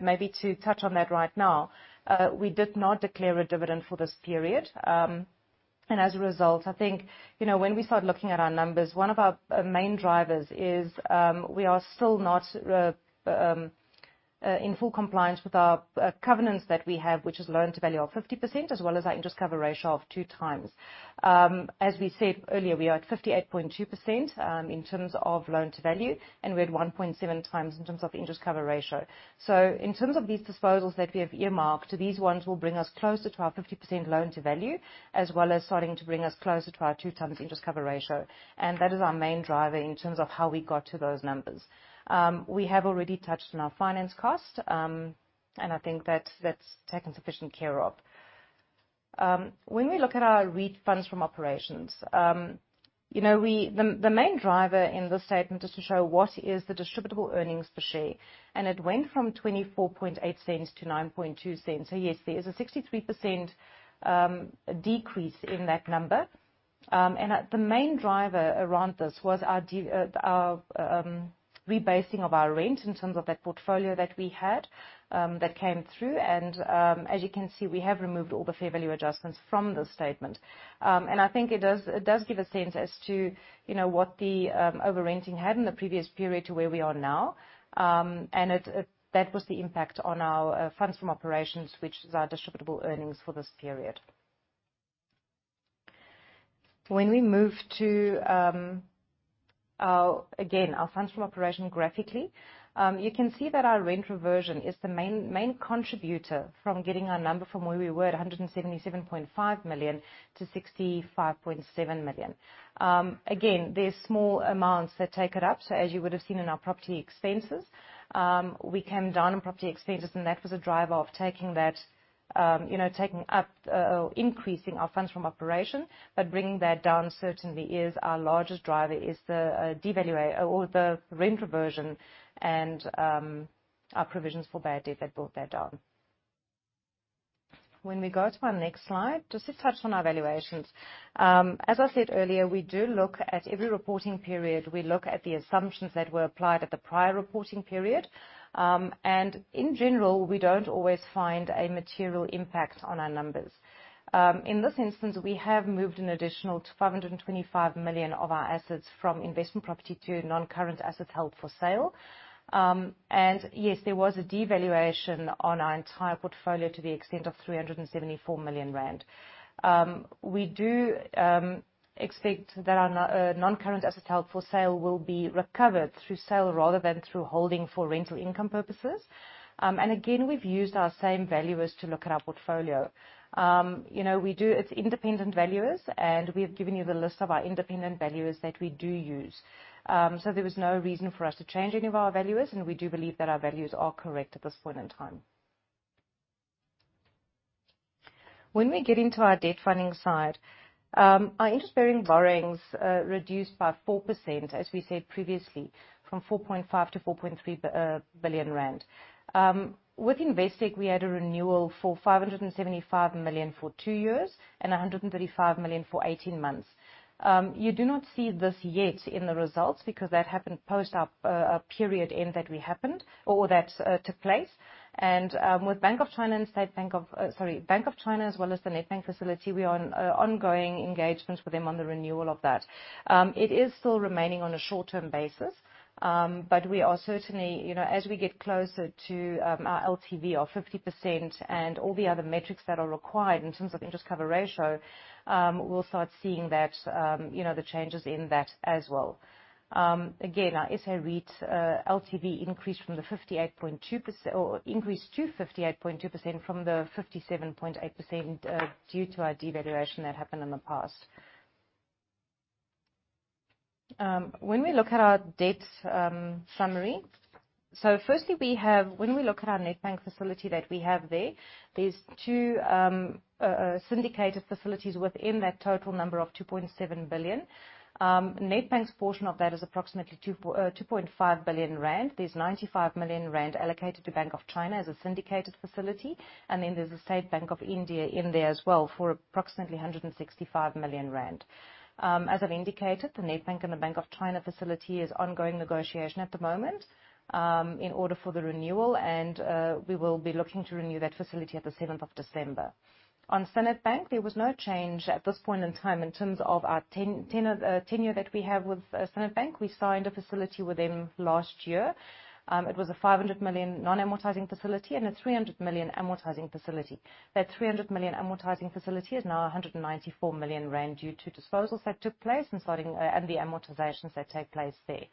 maybe to touch on that right now, we did not declare a dividend for this period. As a result, I think, when we start looking at our numbers, one of our main drivers is, we are still not in full compliance with our covenants that we have, which is loan to value of 50%, as well as our interest cover ratio of 2 times. As we said earlier, we are at 58.2% in terms of loan to value, and we are at 1.7 times in terms of interest cover ratio. In terms of these disposals that we have earmarked, these ones will bring us closer to our 50% loan to value, as well as starting to bring us closer to our 2 times interest cover ratio. That is our main driver in terms of how we got to those numbers. We have already touched on our finance cost. I think that's taken sufficient care of. When we look at our REIT funds from operations, the main driver in this statement is to show what is the distributable earnings per share. It went from 0.248 to 0.092. Yes, there is a 63% decrease in that number. The main driver around this was our rebasing of our rent in terms of that portfolio that we had, that came through. As you can see, we have removed all the fair value adjustments from this statement. I think it does give a sense as to what the over-renting had in the previous period to where we are now. That was the impact on our funds from operations, which is our distributable earnings for this period. When we move to, again, our funds of operation graphically, you can see that our rent reversion is the main contributor from getting our number from where we were at 177.5 million to 65.7 million. Again, there are small amounts that take it up. As you would have seen in our property expenses, we came down on property expenses, and that was a driver of increasing our funds from operation. Bringing that down certainly is our largest driver, is the rent reversion and our provisions for bad debt that brought that down. When we go to our next slide, just to touch on our valuations. As I said earlier, every reporting period, we look at the assumptions that were applied at the prior reporting period. In general, we do not always find a material impact on our numbers. In this instance, we have moved an additional 525 million of our assets from investment property to non-current assets held for sale. Yes, there was a devaluation on our entire portfolio to the extent of 374 million rand. We do expect that our non-current asset held for sale will be recovered through sale rather than through holding for rental income purposes. Again, we have used our same valuers to look at our portfolio. It is independent valuers, and we have given you the list of our independent valuers that we do use. There was no reason for us to change any of our valuers, and we do believe that our values are correct at this point in time. When we get into our debt funding side, our interest-bearing borrowings reduced by 4%, as we said previously, from 4.5 billion to 4.3 billion rand. With Investec, we had a renewal for 575 million for two years and 135 million for 18 months. You do not see this yet in the results because that happened post our period end that took place. With Bank of China as well as the Nedbank facility, we are in ongoing engagements with them on the renewal of that. It is still remaining on a short-term basis. As we get closer to our LTV of 50% and all the other metrics that are required in terms of interest cover ratio, we'll start seeing the changes in that as well. Again, our SA REIT LTV increased to 58.2% from 57.8% due to our devaluation that happened in the past. When we look at our debt summary, firstly, when we look at our Nedbank facility that we have there's two syndicated facilities within that total number of 2.7 billion. Nedbank's portion of that is approximately 2.5 billion rand. There's 95 million rand allocated to Bank of China as a syndicated facility, and then there's the State Bank of India in there as well for approximately 165 million rand. As I've indicated, the Nedbank and the Bank of China facility is ongoing negotiation at the moment in order for the renewal, and we will be looking to renew that facility at the 7th of December. On Standard Bank, there was no change at this point in time in terms of our tenure that we have with Standard Bank. We signed a facility with them last year. It was a 500 million non-amortizing facility and a 300 million amortizing facility. That 300 million amortizing facility is now 194 million rand due to disposals that took place and the amortizations that take place there.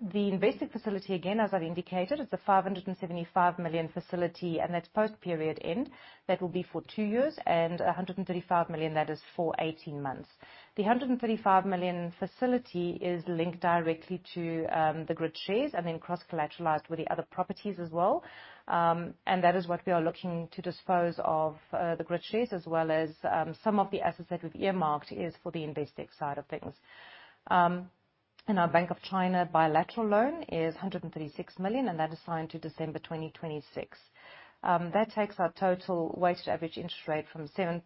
The Investec facility, again, as I've indicated, it's a 575 million facility, and that's post period end, that will be for two years, and 135 million, that is for 18 months. The 135 million facility is linked directly to the Grit shares and then cross-collateralized with the other properties as well. That is what we are looking to dispose of, the Grit shares, as well as some of the assets that we've earmarked is for the Investec side of things. Our Bank of China bilateral loan is 136 million, and that is signed to December 2026. That takes our total weighted average interest rate from 7%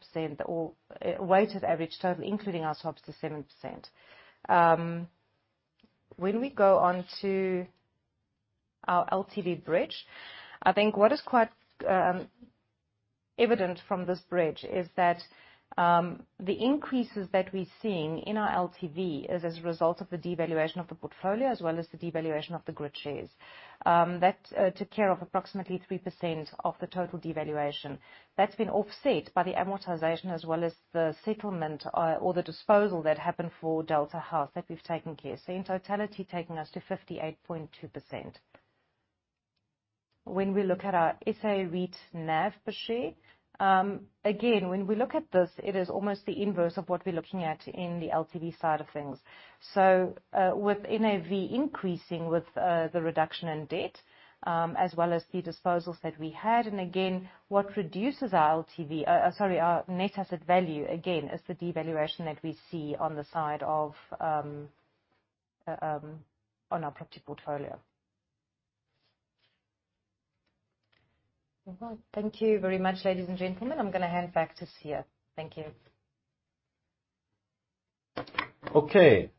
or, weighted average total including our swaps to 7%. When we go onto our LTV bridge, I think what is quite evident from this bridge is that the increases that we're seeing in our LTV is as a result of the devaluation of the portfolio as well as the devaluation of the Grit shares. That took care of approximately 3% of the total devaluation. That's been offset by the amortization as well as the settlement or the disposal that happened for Delta House that we've taken care of. In totality, taking us to 58.2%. When we look at our SA REIT NAV per share, again, when we look at this, it is almost the inverse of what we're looking at in the LTV side of things. With NAV increasing with the reduction in debt, as well as the disposals that we had, and again, what reduces our net asset value, again, is the devaluation that we see on our property portfolio. Well, thank you very much, ladies and gentlemen. I'm going to hand back to Siya. Thank you. Okay.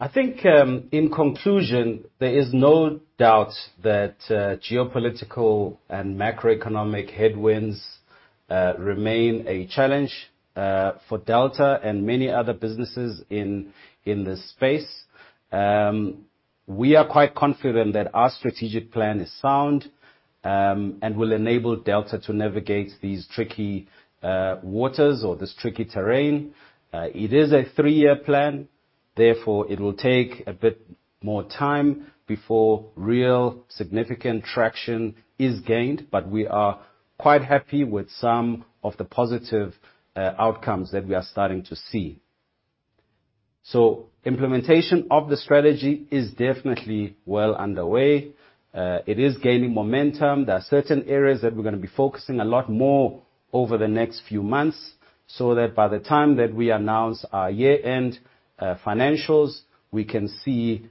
I think, in conclusion, there is no doubt that geopolitical and macroeconomic headwinds remain a challenge for Delta and many other businesses in this space. We are quite confident that our strategic plan is sound, and will enable Delta to navigate these tricky waters or this tricky terrain. It is a three-year plan, therefore it will take a bit more time before real significant traction is gained, but we are quite happy with some of the positive outcomes that we are starting to see. Implementation of the strategy is definitely well underway. It is gaining momentum. There are certain areas that we're going to be focusing a lot more over the next few months, so that by the time that we announce our year-end financials, we can see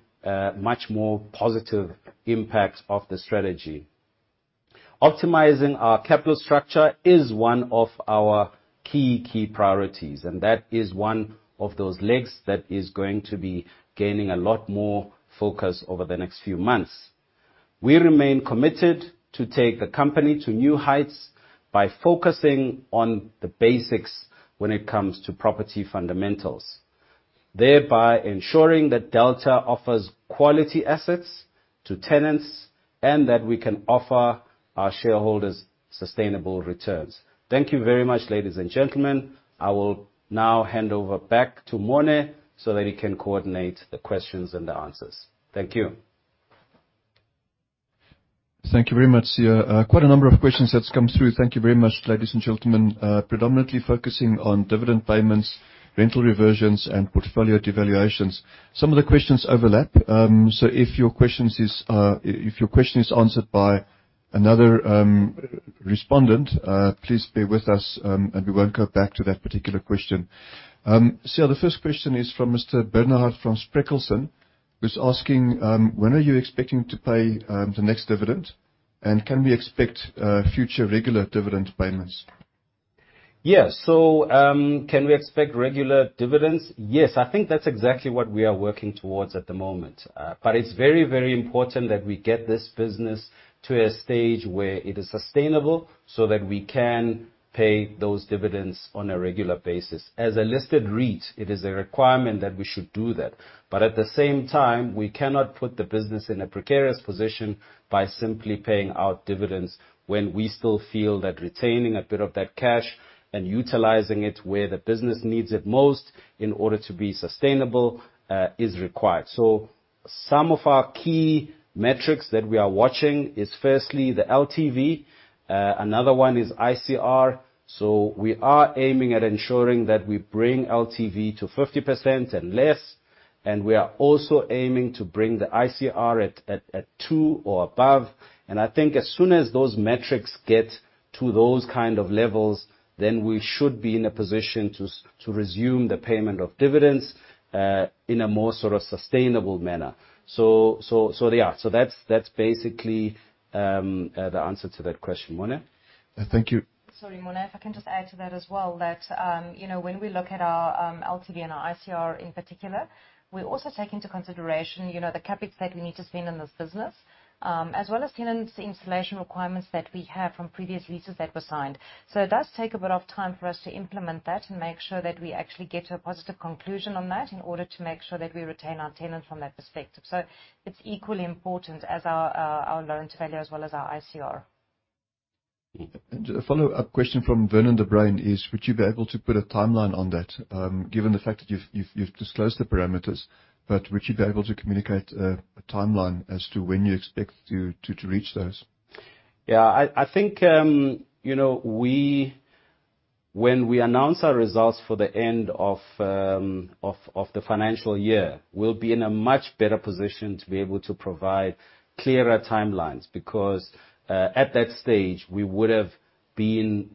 much more positive impact of the strategy. Optimizing our capital structure is one of our key priorities, and that is one of those legs that is going to be gaining a lot more focus over the next few months. We remain committed to take the company to new heights by focusing on the basics when it comes to property fundamentals, thereby ensuring that Delta offers quality assets to tenants and that we can offer our shareholders sustainable returns. Thank you very much, ladies and gentlemen. I will now hand over back to Monet so that he can coordinate the questions and the answers. Thank you. Thank you very much, Siya. Quite a number of questions that's come through. Thank you very much, ladies and gentlemen. Predominantly focusing on dividend payments, rental reversions, and portfolio devaluations. Some of the questions overlap. If your question is answered by another respondent, please bear with us, and we won't go back to that particular question. Siya, the first question is from Mr. Bernard van Spreckelsen, who's asking, when are you expecting to pay the next dividend? Can we expect future regular dividend payments? Can we expect regular dividends? Yes. I think that's exactly what we are working towards at the moment. It's very, very important that we get this business to a stage where it is sustainable so that we can pay those dividends on a regular basis. As a listed REIT, it is a requirement that we should do that. At the same time, we cannot put the business in a precarious position by simply paying out dividends when we still feel that retaining a bit of that cash and utilizing it where the business needs it most in order to be sustainable, is required. Some of our key metrics that we are watching is firstly, the LTV. Another one is ICR. We are aiming at ensuring that we bring LTV to 50% and less, we are also aiming to bring the ICR at 2 or above. I think as soon as those metrics get to those kind of levels, we should be in a position to resume the payment of dividends in a more sort of sustainable manner. There you are. That's basically the answer to that question. Monet? Thank you. Sorry, Mona. If I can just add to that as well that, when we look at our LTV and our ICR in particular, we also take into consideration the CapEx that we need to spend on this business, as well as tenants installation requirements that we have from previous leases that were signed. It does take a bit of time for us to implement that and make sure that we actually get to a positive conclusion on that, in order to make sure that we retain our tenant from that perspective. It's equally important as our loan to value as well as our ICR. A follow-up question from Vernon de Bruin is: Would you be able to put a timeline on that, given the fact that you've disclosed the parameters, but would you be able to communicate a timeline as to when you expect to reach those? Yeah. I think, when we announce our results for the end of the financial year, we'll be in a much better position to be able to provide clearer timelines because, at that stage, we would have been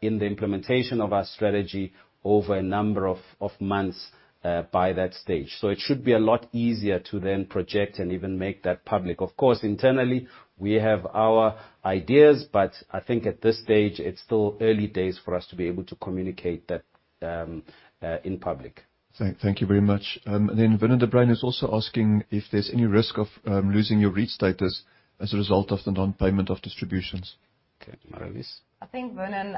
in the implementation of our strategy over a number of months by that stage. It should be a lot easier to then project and even make that public. Of course, internally, we have our ideas, but I think at this stage, it's still early days for us to be able to communicate that in public. Thank you very much. Vernon de Bruin is also asking if there's any risk of losing your REIT status as a result of the non-payment of distributions? Okay, Marlise. I think, Vernon,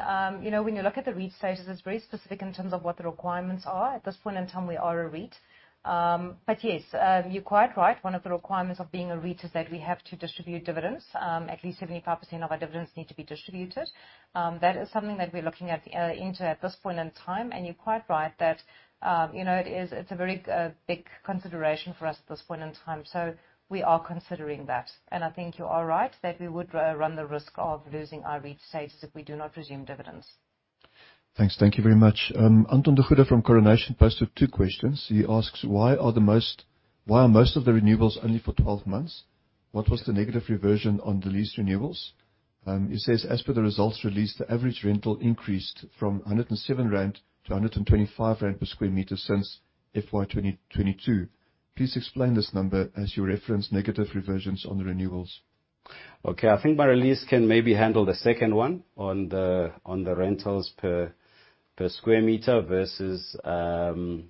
when you look at the REIT status, it is very specific in terms of what the requirements are. At this point in time, we are a REIT. Yes, you are quite right. One of the requirements of being a REIT is that we have to distribute dividends. At least 75% of our dividends need to be distributed. That is something that we are looking into at this point in time. You are quite right that it is a very big consideration for us at this point in time. We are considering that. I think you are right that we would run the risk of losing our REIT status if we do not resume dividends. Thanks. Thank you very much. Anton de Goede from Coronation posted two questions. He asks: Why are most of the renewables only for 12 months? What was the negative reversion on the lease renewables? He says, "As per the results released, the average rental increased from 107 rand to 125 rand per sq m since FY 2022. Please explain this number as you referenced negative reversions on the renewals. Okay. I think Marlies can maybe handle the second one on the rentals per sq m versus the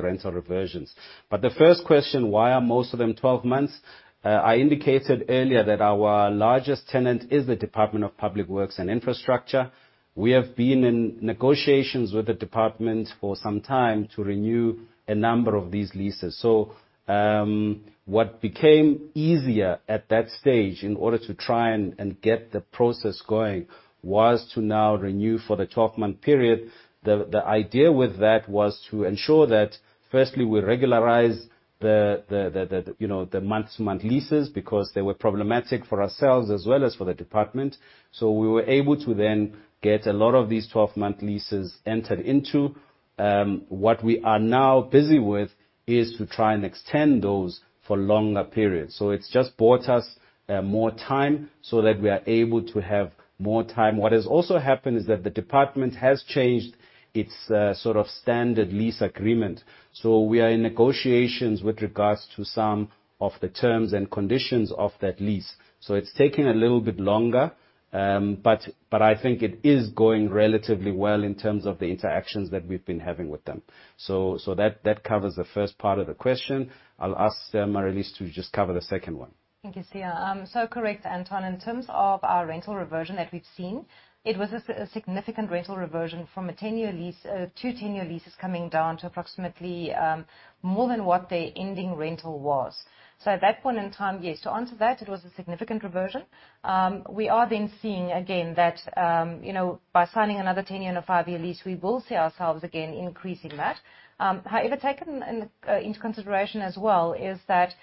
rental reversions. The first question, why are most of them 12 months? I indicated earlier that our largest tenant is the Department of Public Works and Infrastructure. We have been in negotiations with the department for some time to renew a number of these leases. What became easier at that stage in order to try and get the process going was to now renew for the 12-month period. The idea with that was to ensure that firstly, we regularize the month-to-month leases because they were problematic for ourselves as well as for the department. We were able to then get a lot of these 12-month leases entered into. What we are now busy with is to try and extend those for longer periods. It has just bought us more time that we are able to have more time. What has also happened is that the department has changed its sort of standard lease agreement. We are in negotiations with regards to some of the terms and conditions of that lease. It is taking a little bit longer, but I think it is going relatively well in terms of the interactions that we have been having with them. That covers the first part of the question. I will ask Marlies to just cover the second one. Thank you, Siya. Correct, Anton, in terms of our rental reversion that we have seen, it was a significant rental reversion from two 10-year leases coming down to approximately more than what their ending rental was. At that point in time, yes, to answer that, it was a significant reversion. We are seeing again that, by signing another 10-year or five-year lease, we will see ourselves again increasing that. However, taken into consideration as well is that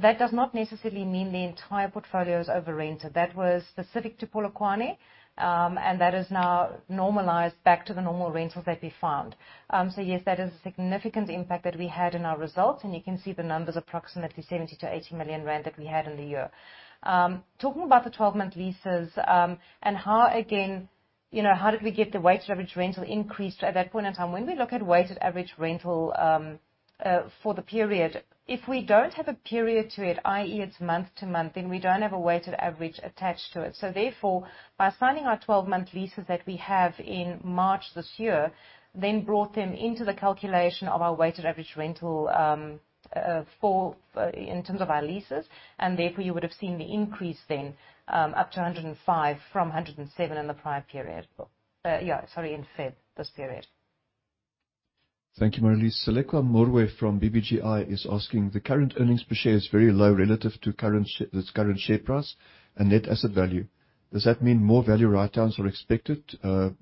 does not necessarily mean the entire portfolio is over-rented. That was specific to Polokwane, and that is now normalized back to the normal rentals that we found. Yes, that is a significant impact that we had in our results, and you can see the numbers, approximately 70 million-80 million rand that we had in the year. Talking about the 12-month leases, how did we get the weighted average rental increase to at that point in time, when we look at weighted average rental for the period, if we don't have a period to it, i.e. it's month to month, we don't have a weighted average attached to it. Therefore, by signing our 12-month leases that we have in March this year, brought them into the calculation of our weighted average rental in terms of our leases, and therefore, you would have seen the increase up to 105 from 107 in the prior period. Yeah, sorry, in February this period. Thank you, Marelise. Seleka Morwe from BBGI is asking, "The current earnings per share is very low relative to its current share price and net asset value. Does that mean more value write-downs are expected,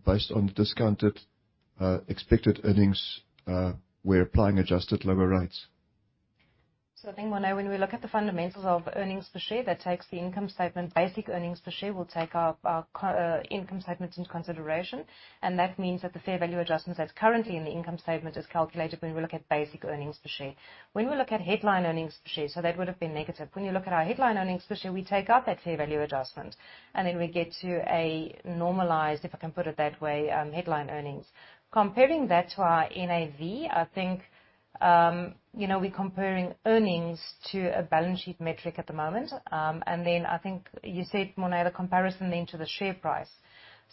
based on the discounted expected earnings, where applying adjusted lower rates? I think, Morwe, when we look at the fundamentals of earnings per share, that takes the income statement, basic earnings per share will take our income statements into consideration, and that means that the fair value adjustments that's currently in the income statement is calculated when we look at basic earnings per share. When we look at headline earnings per share, that would have been negative. When you look at our headline earnings per share, we take out that fair value adjustment, and we get to a normalized, if I can put it that way, headline earnings. Comparing that to our NAV, we're comparing earnings to a balance sheet metric at the moment. I think you said, Morwe, the comparison to the share price.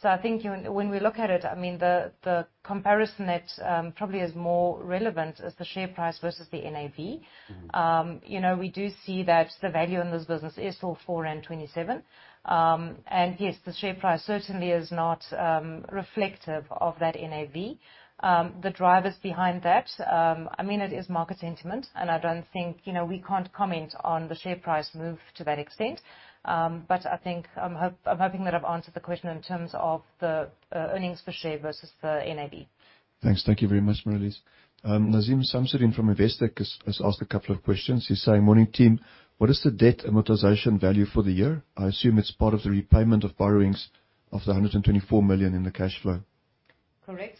I think when we look at it, the comparison that probably is more relevant is the share price versus the NAV. We do see that the value in this business is still 427. Yes, the share price certainly is not reflective of that NAV. The drivers behind that, it is market sentiment and we can't comment on the share price move to that extent. I'm hoping that I've answered the question in terms of the earnings per share versus the NAV. Thanks. Thank you very much, Marelise. Nazim Samsudeen from Investec has asked a couple of questions. He's saying, "Morning, team. What is the debt amortization value for the year? I assume it's part of the repayment of borrowings of the 124 million in the cash flow. Correct.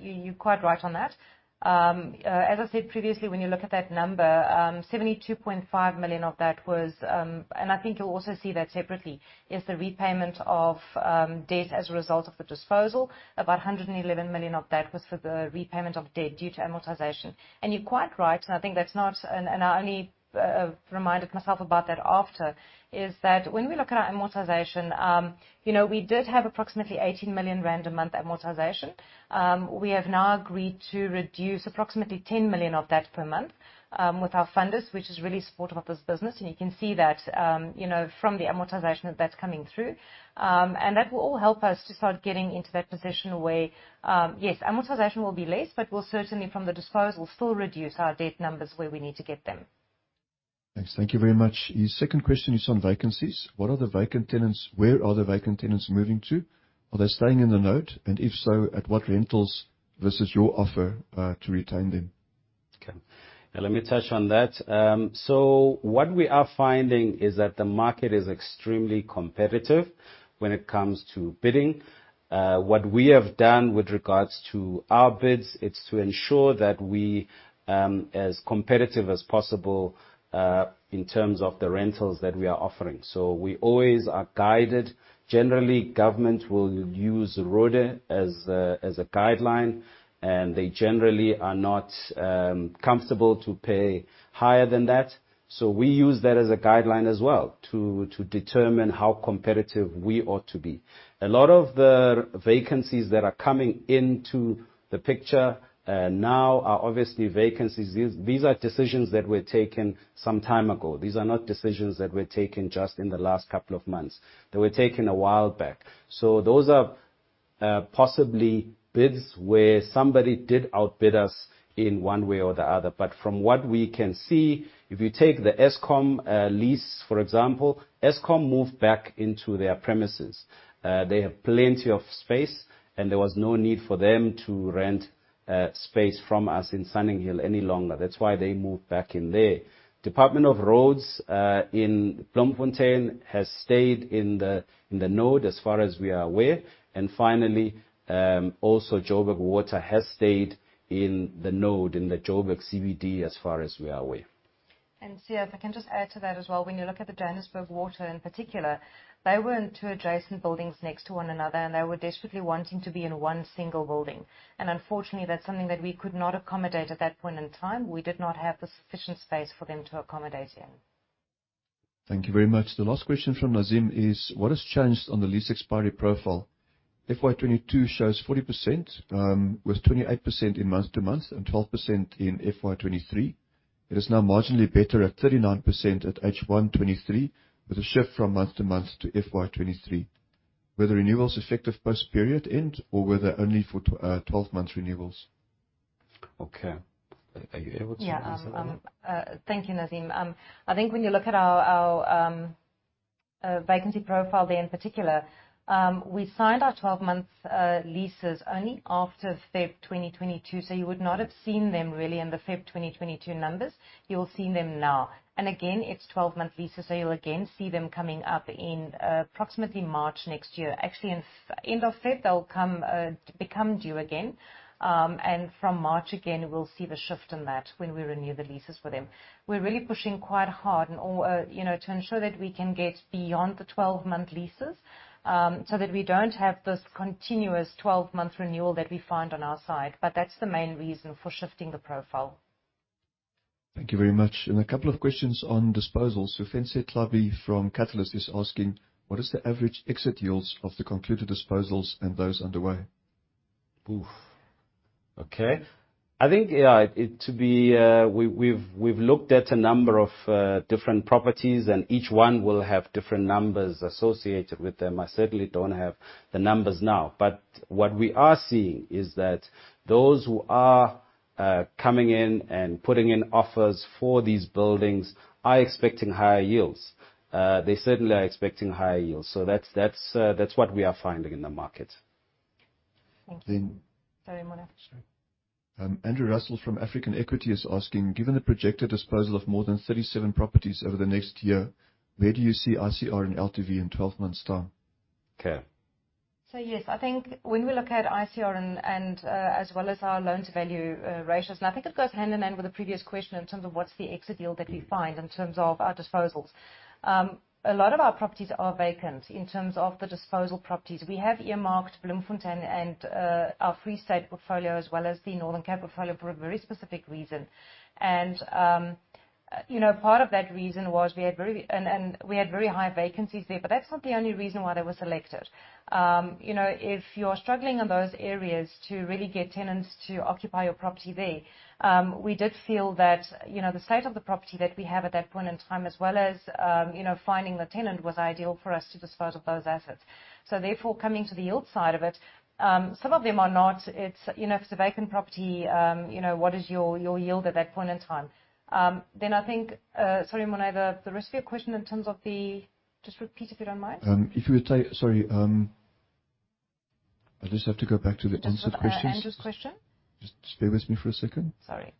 You're quite right on that. As I said previously, when you look at that number, 72.5 million of that was, and I think you'll also see that separately, is the repayment of debt as a result of the disposal. About 111 million of that was for the repayment of debt due to amortization. You're quite right, and I only reminded myself about that after, is that when we look at our amortization, we did have approximately 18 million rand a month amortization. We have now agreed to reduce approximately 10 million of that per month with our funders, which has really supported this business. You can see that from the amortization that that's coming through. That will all help us to start getting into that position where, yes, amortization will be less, we'll certainly, from the disposal, still reduce our debt numbers where we need to get them. Thanks. Thank you very much. His second question is on vacancies. Where are the vacant tenants moving to? Are they staying in the node? If so, at what rentals versus your offer to retain them? Okay. Let me touch on that. What we are finding is that the market is extremely competitive when it comes to bidding. What we have done with regards to our bids, it's to ensure that we're as competitive as possible, in terms of the rentals that we are offering. We always are guided. Generally, government will use RODA as a guideline, they generally are not comfortable to pay higher than that. We use that as a guideline as well to determine how competitive we ought to be. A lot of the vacancies that are coming into the picture now are obviously vacancies, these are decisions that were taken some time ago. These are not decisions that were taken just in the last couple of months. They were taken a while back. Those are possibly bids where somebody did outbid us in one way or the other. From what we can see, if you take the Eskom lease, for example, Eskom moved back into their premises. They have plenty of space, there was no need for them to rent space from us in Sunninghill any longer. That's why they moved back in there. Department of Roads in Bloemfontein has stayed in the node as far as we are aware. Finally, also Johannesburg Water has stayed in the node, in the Joburg CBD, as far as we are aware. Siya, if I can just add to that as well. When you look at the Johannesburg Water in particular, they were in two adjacent buildings next to one another, they were desperately wanting to be in one single building. Unfortunately, that's something that we could not accommodate at that point in time. We did not have the sufficient space for them to accommodate in. Thank you very much. The last question from Nazim is, what has changed on the lease expiry profile? FY 2022 shows 40%, with 28% in month to month and 12% in FY 2023. It is now marginally better at 39% at H1 2023 with a shift from month to month to FY 2023. Were the renewals effective post period end or were they only for 12 months renewals? Okay. Are you able to answer that one? Yeah. Thank you, Nazim. I think when you look at our vacancy profile there in particular, we signed our 12 month leases only after February 2022, so you would not have seen them really in the February 2022 numbers. You'll see them now. Again, it's 12 month leases, so you'll again see them coming up in approximately March next year. Actually, in end of February, they'll become due again. From March again, we'll see the shift in that when we renew the leases for them. We're really pushing quite hard to ensure that we can get beyond the 12 month leases, so that we don't have this continuous 12 month renewal that we find on our side. That's the main reason for shifting the profile. Thank you very much. A couple of questions on disposals. Ofentse Tlhabi from Catalyst is asking, what is the average exit yields of the concluded disposals and those underway? Oof. Okay. We've looked at a number of different properties and each one will have different numbers associated with them. I certainly don't have the numbers now. What we are seeing is that those who are coming in and putting in offers for these buildings are expecting higher yields. They certainly are expecting higher yields. That's what we are finding in the market. Thank you. Then- Sorry, Mona. Sorry. Andrew Russell from African Equity is asking, given the projected disposal of more than 37 properties over the next year, where do you see ICR and LTV in 12 months time? Okay. Yes, I think when we look at ICR and as well as our loan-to-value ratios, I think it goes hand in hand with the previous question in terms of what's the exit yield that we find in terms of our disposals. A lot of our properties are vacant in terms of the disposal properties. We have earmarked Bloemfontein and our Free State portfolio, as well as the Northern Cape portfolio for a very specific reason. Part of that reason was we had very high vacancies there. That's not the only reason why they were selected. If you're struggling in those areas to really get tenants to occupy your property there, we did feel that, the state of the property that we have at that point in time as well as finding the tenant was ideal for us to dispose of those assets. Therefore, coming to the yield side of it, some of them are not. If it's a vacant property, what is your yield at that point in time? Then I think, sorry, Monet, the rest of your question in terms of. Just repeat if you don't mind. Sorry, I just have to go back to the answer questions. Andrew's question? Just bear with me for a second. Sorry.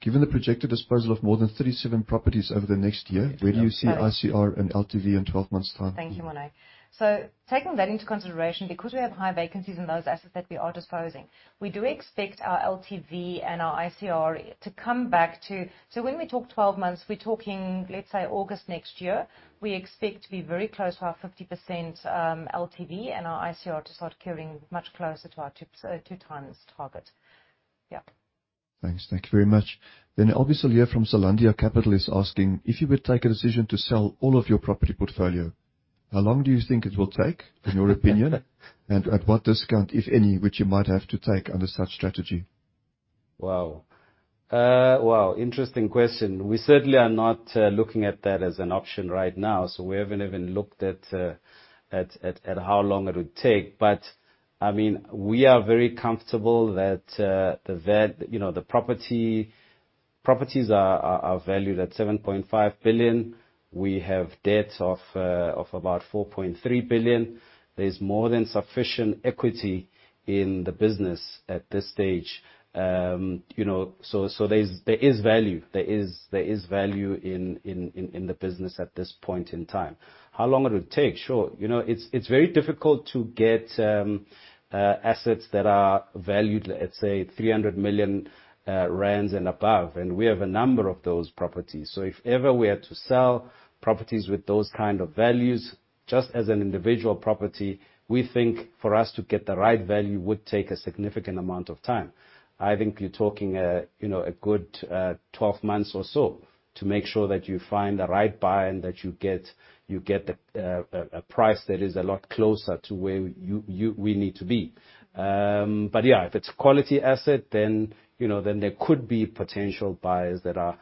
Given the projected disposal of more than 37 properties over the next year, where do you see ICR and LTV in 12 months' time? Thank you, Monet. Taking that into consideration, because we have high vacancies in those assets that we are disposing, we do expect our LTV and our ICR to come back to. When we talk 12 months, we're talking, let's say August next year, we expect to be very close to our 50% LTV and our ICR to start carrying much closer to our two times target. Yeah. Thanks. Thank you very much. Albie Cilliers from Cilandia Capital is asking, if you were to take a decision to sell all of your property portfolio, how long do you think it will take, in your opinion, and at what discount, if any, which you might have to take under such strategy? Wow. Interesting question. We certainly are not looking at that as an option right now, so we haven't even looked at how long it would take. We are very comfortable that the properties are valued at 7.5 billion. We have debts of about 4.3 billion. There's more than sufficient equity in the business at this stage. There is value in the business at this point in time. How long it would take? Sure. It's very difficult to get assets that are valued, let's say 300 million rand and above, and we have a number of those properties. If ever we are to sell properties with those kind of values, just as an individual property, we think for us to get the right value would take a significant amount of time. I think you're talking a good 12 months or so to make sure that you find the right buyer and that you get a price that is a lot closer to where we need to be. Yeah, if it's quality asset, then there could be potential buyers that are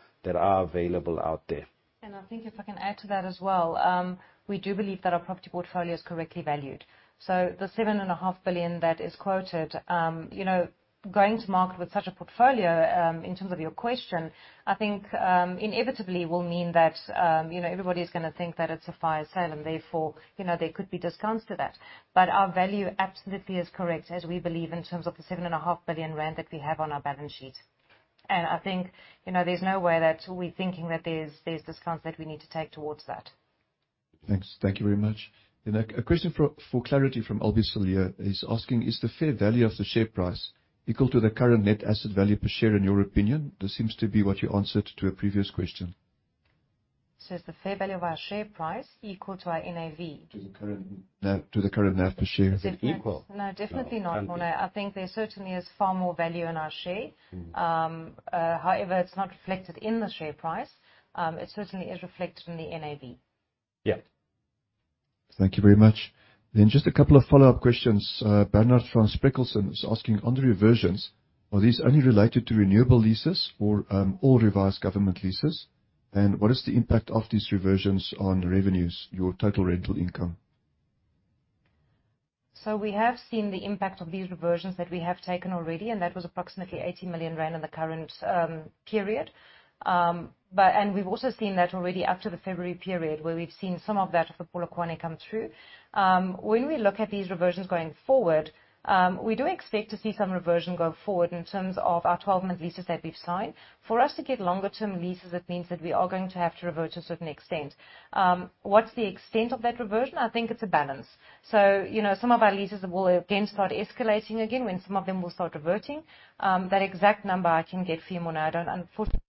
available out there. I think if I can add to that as well. We do believe that our property portfolio is correctly valued. The 7.5 billion that is quoted, going to market with such a portfolio, in terms of your question, I think inevitably will mean that everybody's going to think that it's a fire sale and therefore, there could be discounts to that. Our value absolutely is correct, as we believe in terms of the 7.5 billion rand that we have on our balance sheet. I think, there's no way that we're thinking that there's discounts that we need to take towards that. Thanks. Thank you very much. A question for clarity from Albie Cilliers. He's asking, is the fair value of the share price equal to the current net asset value per share in your opinion? This seems to be what you answered to a previous question. Is the fair value of our share price equal to our NAV? To the current. To the current net per share. Is it equal? No, definitely not, Marelise. I think there certainly is far more value in our share. It's not reflected in the share price. It certainly is reflected in the NAV. Yeah. Thank you very much. Just a couple of follow-up questions. Bernard van Spreckelsen was asking on the reversions, are these only related to renewable leases or all revised government leases? What is the impact of these reversions on revenues, your total rental income? We have seen the impact of these reversions that we have taken already, that was approximately 80 million rand in the current period. We've also seen that already after the February period, where we've seen some of that of the Polokwane come through. When we look at these reversions going forward, we do expect to see some reversion going forward in terms of our 12-month leases that we've signed. For us to get longer term leases, it means that we are going to have to revert to a certain extent. What's the extent of that reversion? I think it's a balance. Some of our leases will again start escalating again, when some of them will start reverting. That exact number I can get for you, Marelise. I don't unfortunately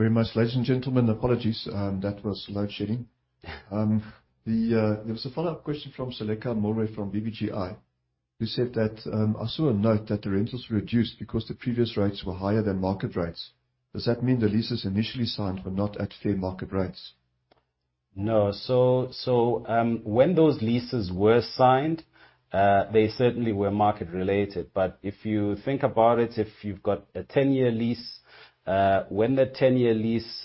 Thank you very much, ladies and gentlemen. Apologies, that was load shedding. There was a follow-up question from Seleka Morwe from BBGI. I saw a note that the rentals reduced because the previous rates were higher than market rates. Does that mean the leases initially signed were not at fair market rates? No. When those leases were signed, they certainly were market related. If you think about it, if you've got a 10-year lease, when that 10-year lease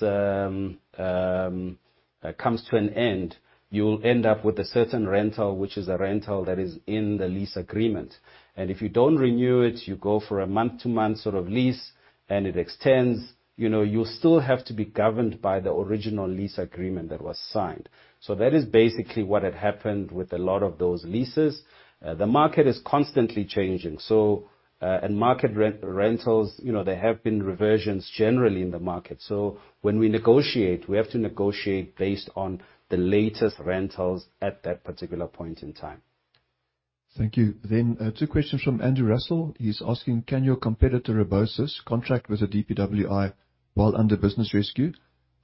comes to an end, you'll end up with a certain rental, which is a rental that is in the lease agreement. If you don't renew it, you go for a month-to-month sort of lease and it extends, you still have to be governed by the original lease agreement that was signed. That is basically what had happened with a lot of those leases. The market is constantly changing, and market rentals, there have been reversions generally in the market. When we negotiate, we have to negotiate based on the latest rentals at that particular point in time. Thank you. Two questions from Andrew Russell. He's asking, can your competitor, Rebosis, contract with the DPWI while under business rescue?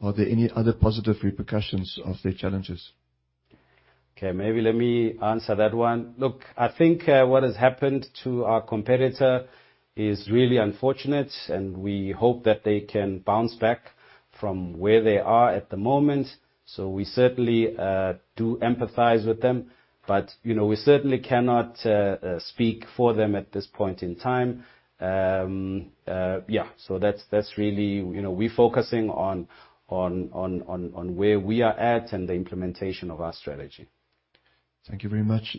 Are there any other positive repercussions of their challenges? Maybe let me answer that one. I think what has happened to our competitor is really unfortunate, and we hope that they can bounce back from where they are at the moment. We certainly do empathize with them. We certainly cannot speak for them at this point in time. That's really, we're focusing on where we are at and the implementation of our strategy. Thank you very much.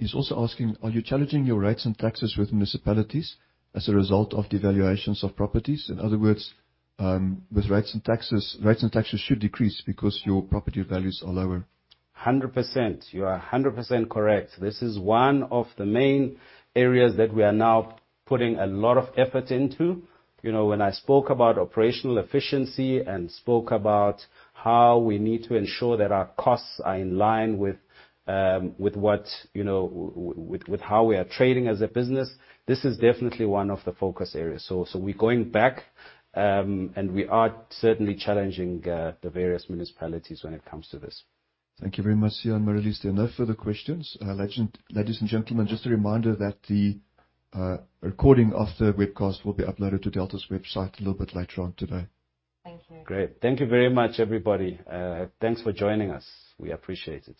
He's also asking, are you challenging your rates and taxes with municipalities as a result of devaluations of properties? In other words, with rates and taxes, rates and taxes should decrease because your property values are lower. 100%. You are 100% correct. This is one of the main areas that we are now putting a lot of effort into. When I spoke about operational efficiency and spoke about how we need to ensure that our costs are in line with how we are trading as a business, this is definitely one of the focus areas. We're going back, and we are certainly challenging the various municipalities when it comes to this. Thank you very much, Leon. There are no further questions. Ladies and gentlemen, just a reminder that the recording of the webcast will be uploaded to Delta's website a little bit later on today. Thank you. Great. Thank you very much, everybody. Thanks for joining us. We appreciate it.